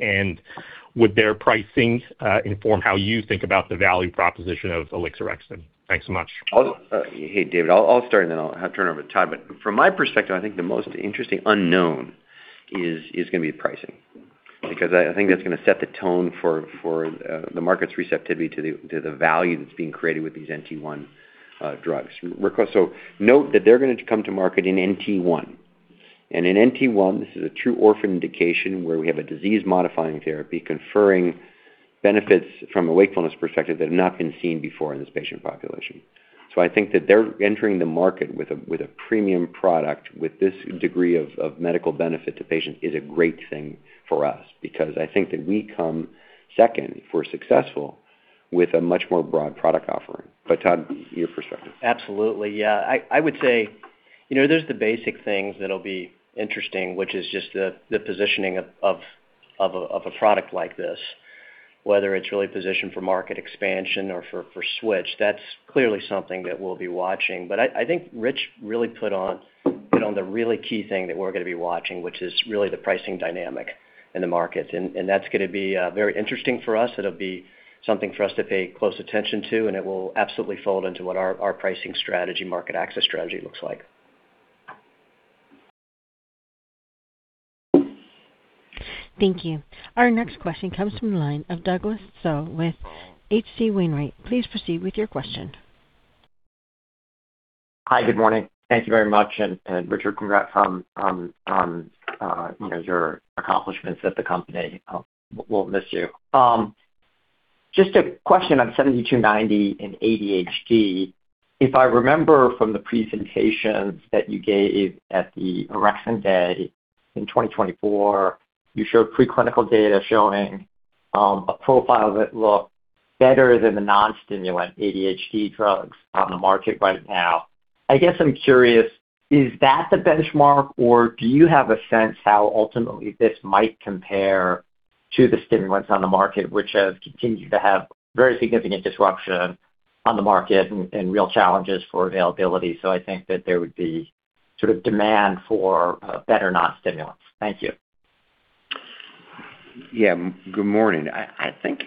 T: Would their pricing inform how you think about the value proposition of alixorexton? Thanks so much.
C: I'll, hey, David, I'll start, and then I'll turn it over to Todd. From my perspective, I think the most interesting unknown is going to be pricing. I think that's going to set the tone for the market's receptivity to the value that's being created with these NT1 drugs. Note that they're going to come to market in NT1. In NT1, this is a true orphan indication where we have a disease-modifying therapy conferring benefits from a wakefulness perspective that have not been seen before in this patient population. I think that they're entering the market with a premium product, with this degree of medical benefit to patients is a great thing for us, because I think that we come second, if we're successful, with a much more broad product offering. Todd, your perspective?
E: Absolutely. Yeah. I would say, you know, there's the basic things that'll be interesting, which is just the positioning of a product like this, whether it's really positioned for market expansion or for switch. That's clearly something that we'll be watching. I think Rich really put on the really key thing that we're going to be watching, which is really the pricing dynamic in the market. That's going to be very interesting for us. It'll be something for us to pay close attention to, and it will absolutely fold into what our pricing strategy, market access strategy looks like.
A: Thank you. Our next question comes from the line of Douglas Tsao with H.C. Wainwright & Co. Please proceed with your question.
U: Hi. Good morning. Thank you very much. Richard, congrats on, you know, your accomplishments at the company. We'll miss you. Just a question on ALKS 7290 and ADHD. If I remember from the presentations that you gave at the Orexin Day in 2024, you showed preclinical data showing a profile that looked better than the non-stimulant ADHD drugs on the market right now. I guess I'm curious, is that the benchmark, or do you have a sense how ultimately this might compare to the stimulants on the market, which have continued to have very significant disruption on the market and real challenges for availability? I think that there would be sort of demand for a better non-stimulant. Thank you.
C: Yeah, good morning. I think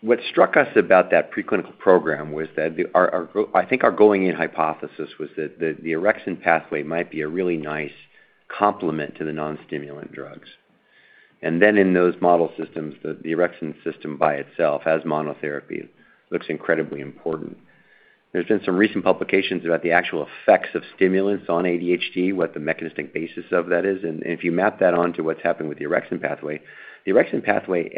C: what struck us about that preclinical program was that our going-in hypothesis was that the orexin pathway might be a really nice complement to the non-stimulant drugs. In those model systems, the orexin system by itself, as monotherapy, looks incredibly important. There's been some recent publications about the actual effects of stimulants on ADHD, what the mechanistic basis of that is. If you map that onto what's happening with the orexin pathway, the orexin pathway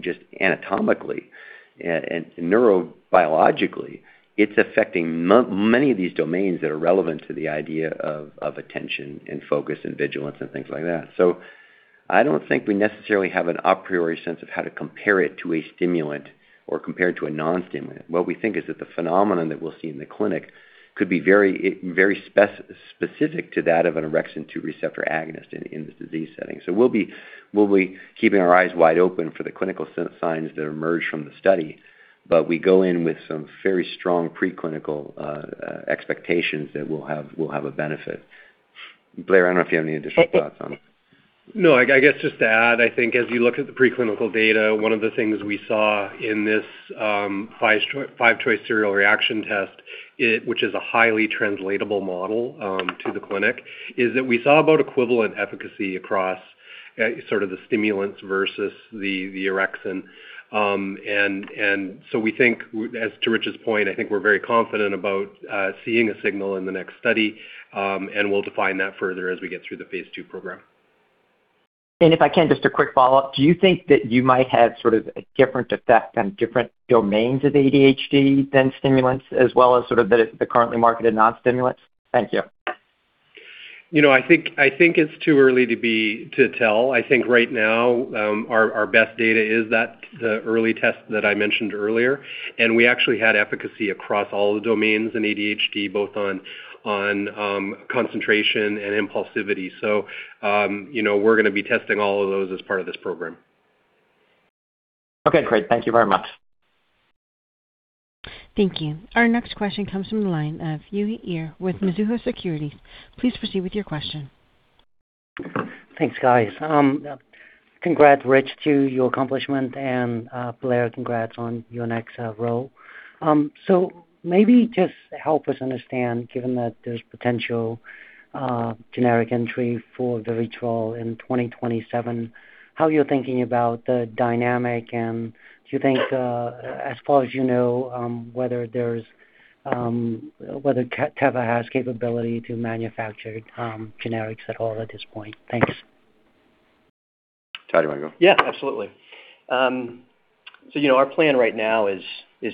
C: just anatomically and neurobiologically, it's affecting many of these domains that are relevant to the idea of attention and focus and vigilance and things like that. I don't think we necessarily have an a priori sense of how to compare it to a stimulant or compare it to a non-stimulant. What we think is that the phenomenon that we'll see in the clinic could be very, very specific to that of orexin 2 receptor agonist in this disease setting. We'll be keeping our eyes wide open for the clinical signs that emerge from the study. We go in with some very strong preclinical expectations that we'll have a benefit. Blair, I don't know if you have any additional thoughts on that.
E: No, I guess just to add, I think as you look at the preclinical data, one of the things we saw in this, five choice, Five-Choice Serial Reaction Time Task, which is a highly translatable model to the clinic, is that we saw about equivalent efficacy across sort of the stimulants versus the orexin. So we think, as to Rich's point, I think we're very confident about seeing a signal in the next study, and we'll define that further as we get through the phase II program.
U: If I can, just a quick follow-up. Do you think that you might have sort of a different effect on different domains of ADHD than stimulants, as well as sort of the currently marketed non-stimulants? Thank you.
E: You know, I think it's too early to tell. I think right now, our best data is that the early test that I mentioned earlier, and we actually had efficacy across all the domains in ADHD, both on concentration and impulsivity. You know, we're going to be testing all of those as part of this program.
U: Okay, great. Thank you very much.
A: Thank you. Our next question comes from the line of Yiyi with Mizuho Securities. Please proceed with your question.
V: Thanks, guys. congrats, Rich, to your accomplishment, and Blair, congrats on your next role. Maybe just help us understand, given that there's potential generic entry for VIVITROL in 2027, how you're thinking about the dynamic, and do you think, as far as you know, whether there's whether Teva has capability to manufacture generics at all at this point? Thanks.
C: Todd, you want to go?
E: Yeah, absolutely. You know, our plan right now is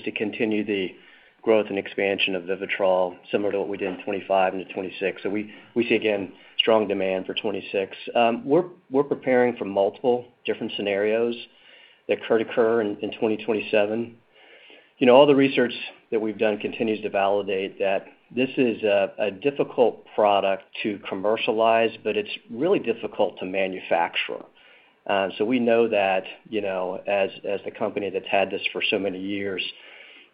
E: to continue the growth and expansion of VIVITROL, similar to what we did in 2025 into 2026. We see, again, strong demand for 2026. We're preparing for multiple different scenarios that could occur in 2027. You know, all the research that we've done continues to validate that this is a difficult product to commercialize, but it's really difficult to manufacture. We know that, you know, as the company that's had this for so many years.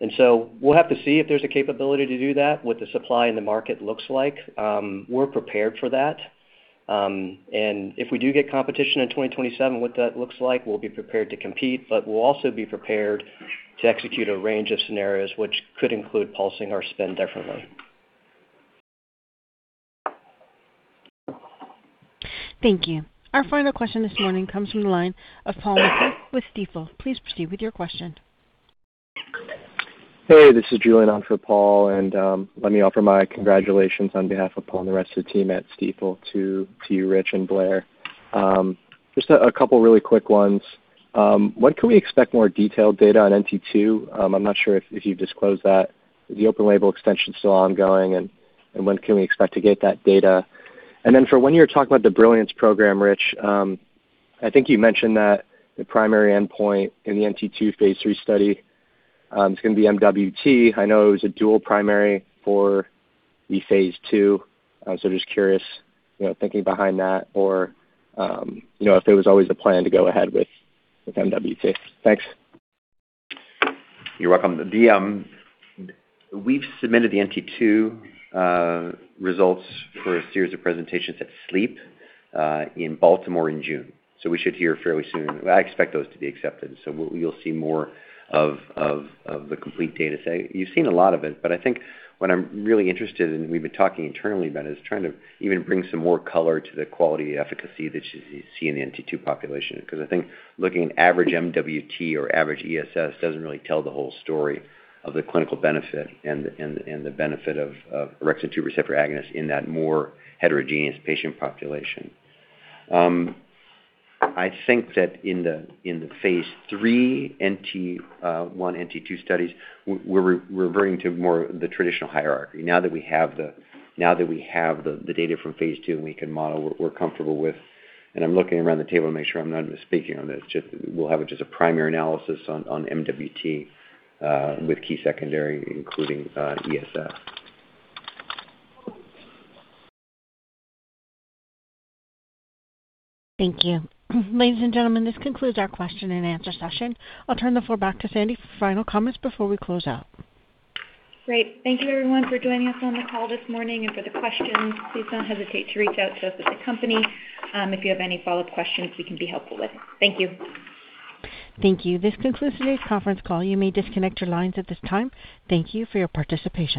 E: We'll have to see if there's a capability to do that, what the supply in the market looks like. We're prepared for that. If we do get competition in 2027, what that looks like, we'll be prepared to compete, but we'll also be prepared to execute a range of scenarios, which could include pulsing our spend differently.
A: Thank you. Our final question this morning comes from the line of Paul Matteis with Stifel. Please proceed with your question.
W: Hey, this is Julian on for Paul, let me offer my congratulations on behalf of Paul and the rest of the team at Stifel to you, Rich and Blair. Just a couple of really quick ones. When can we expect more detailed data on NT2? I'm not sure if you've disclosed that. The open label extension is still ongoing, and when can we expect to get that data? For when you were talking about the Brilliance program, Rich, I think you mentioned that the primary endpoint in the NT2 phase III study is going to be MWT. I know it was a dual primary for the phase II, so just curious, you know, thinking behind that or, you know, if it was always a plan to go ahead with MWT. Thanks.
C: You're welcome. We've submitted the NT2 results for a series of presentations at SLEEP in Baltimore in June, so we should hear fairly soon. I expect those to be accepted, so you'll see more of the complete data set. You've seen a lot of it, but I think what I'm really interested in, and we've been talking internally about, is trying to even bring some more color to the quality efficacy that you see in the NT2 population. Because I think looking at average MWT or average ESS doesn't really tell the whole story of the clinical benefit and the benefit orexin 2 receptor agonist in that more heterogeneous patient population. I think that in the phase III NT1, NT2 studies, we're reverting to more the traditional hierarchy. Now that we have the data from phase II, and we can model what we're comfortable with, and I'm looking around the table to make sure I'm not misspeaking on this. We'll have just a primary analysis on MWT, with key secondary, including ESS.
A: Thank you. Ladies and gentlemen, this concludes our question and answer session. I'll turn the floor back to Sandy for final comments before we close out.
B: Great. Thank you, everyone, for joining us on the call this morning and for the questions. Please don't hesitate to reach out to us at the company, if you have any follow-up questions we can be helpful with. Thank you.
A: Thank you. This concludes today's conference call. You may disconnect your lines at this time. Thank you for your participation.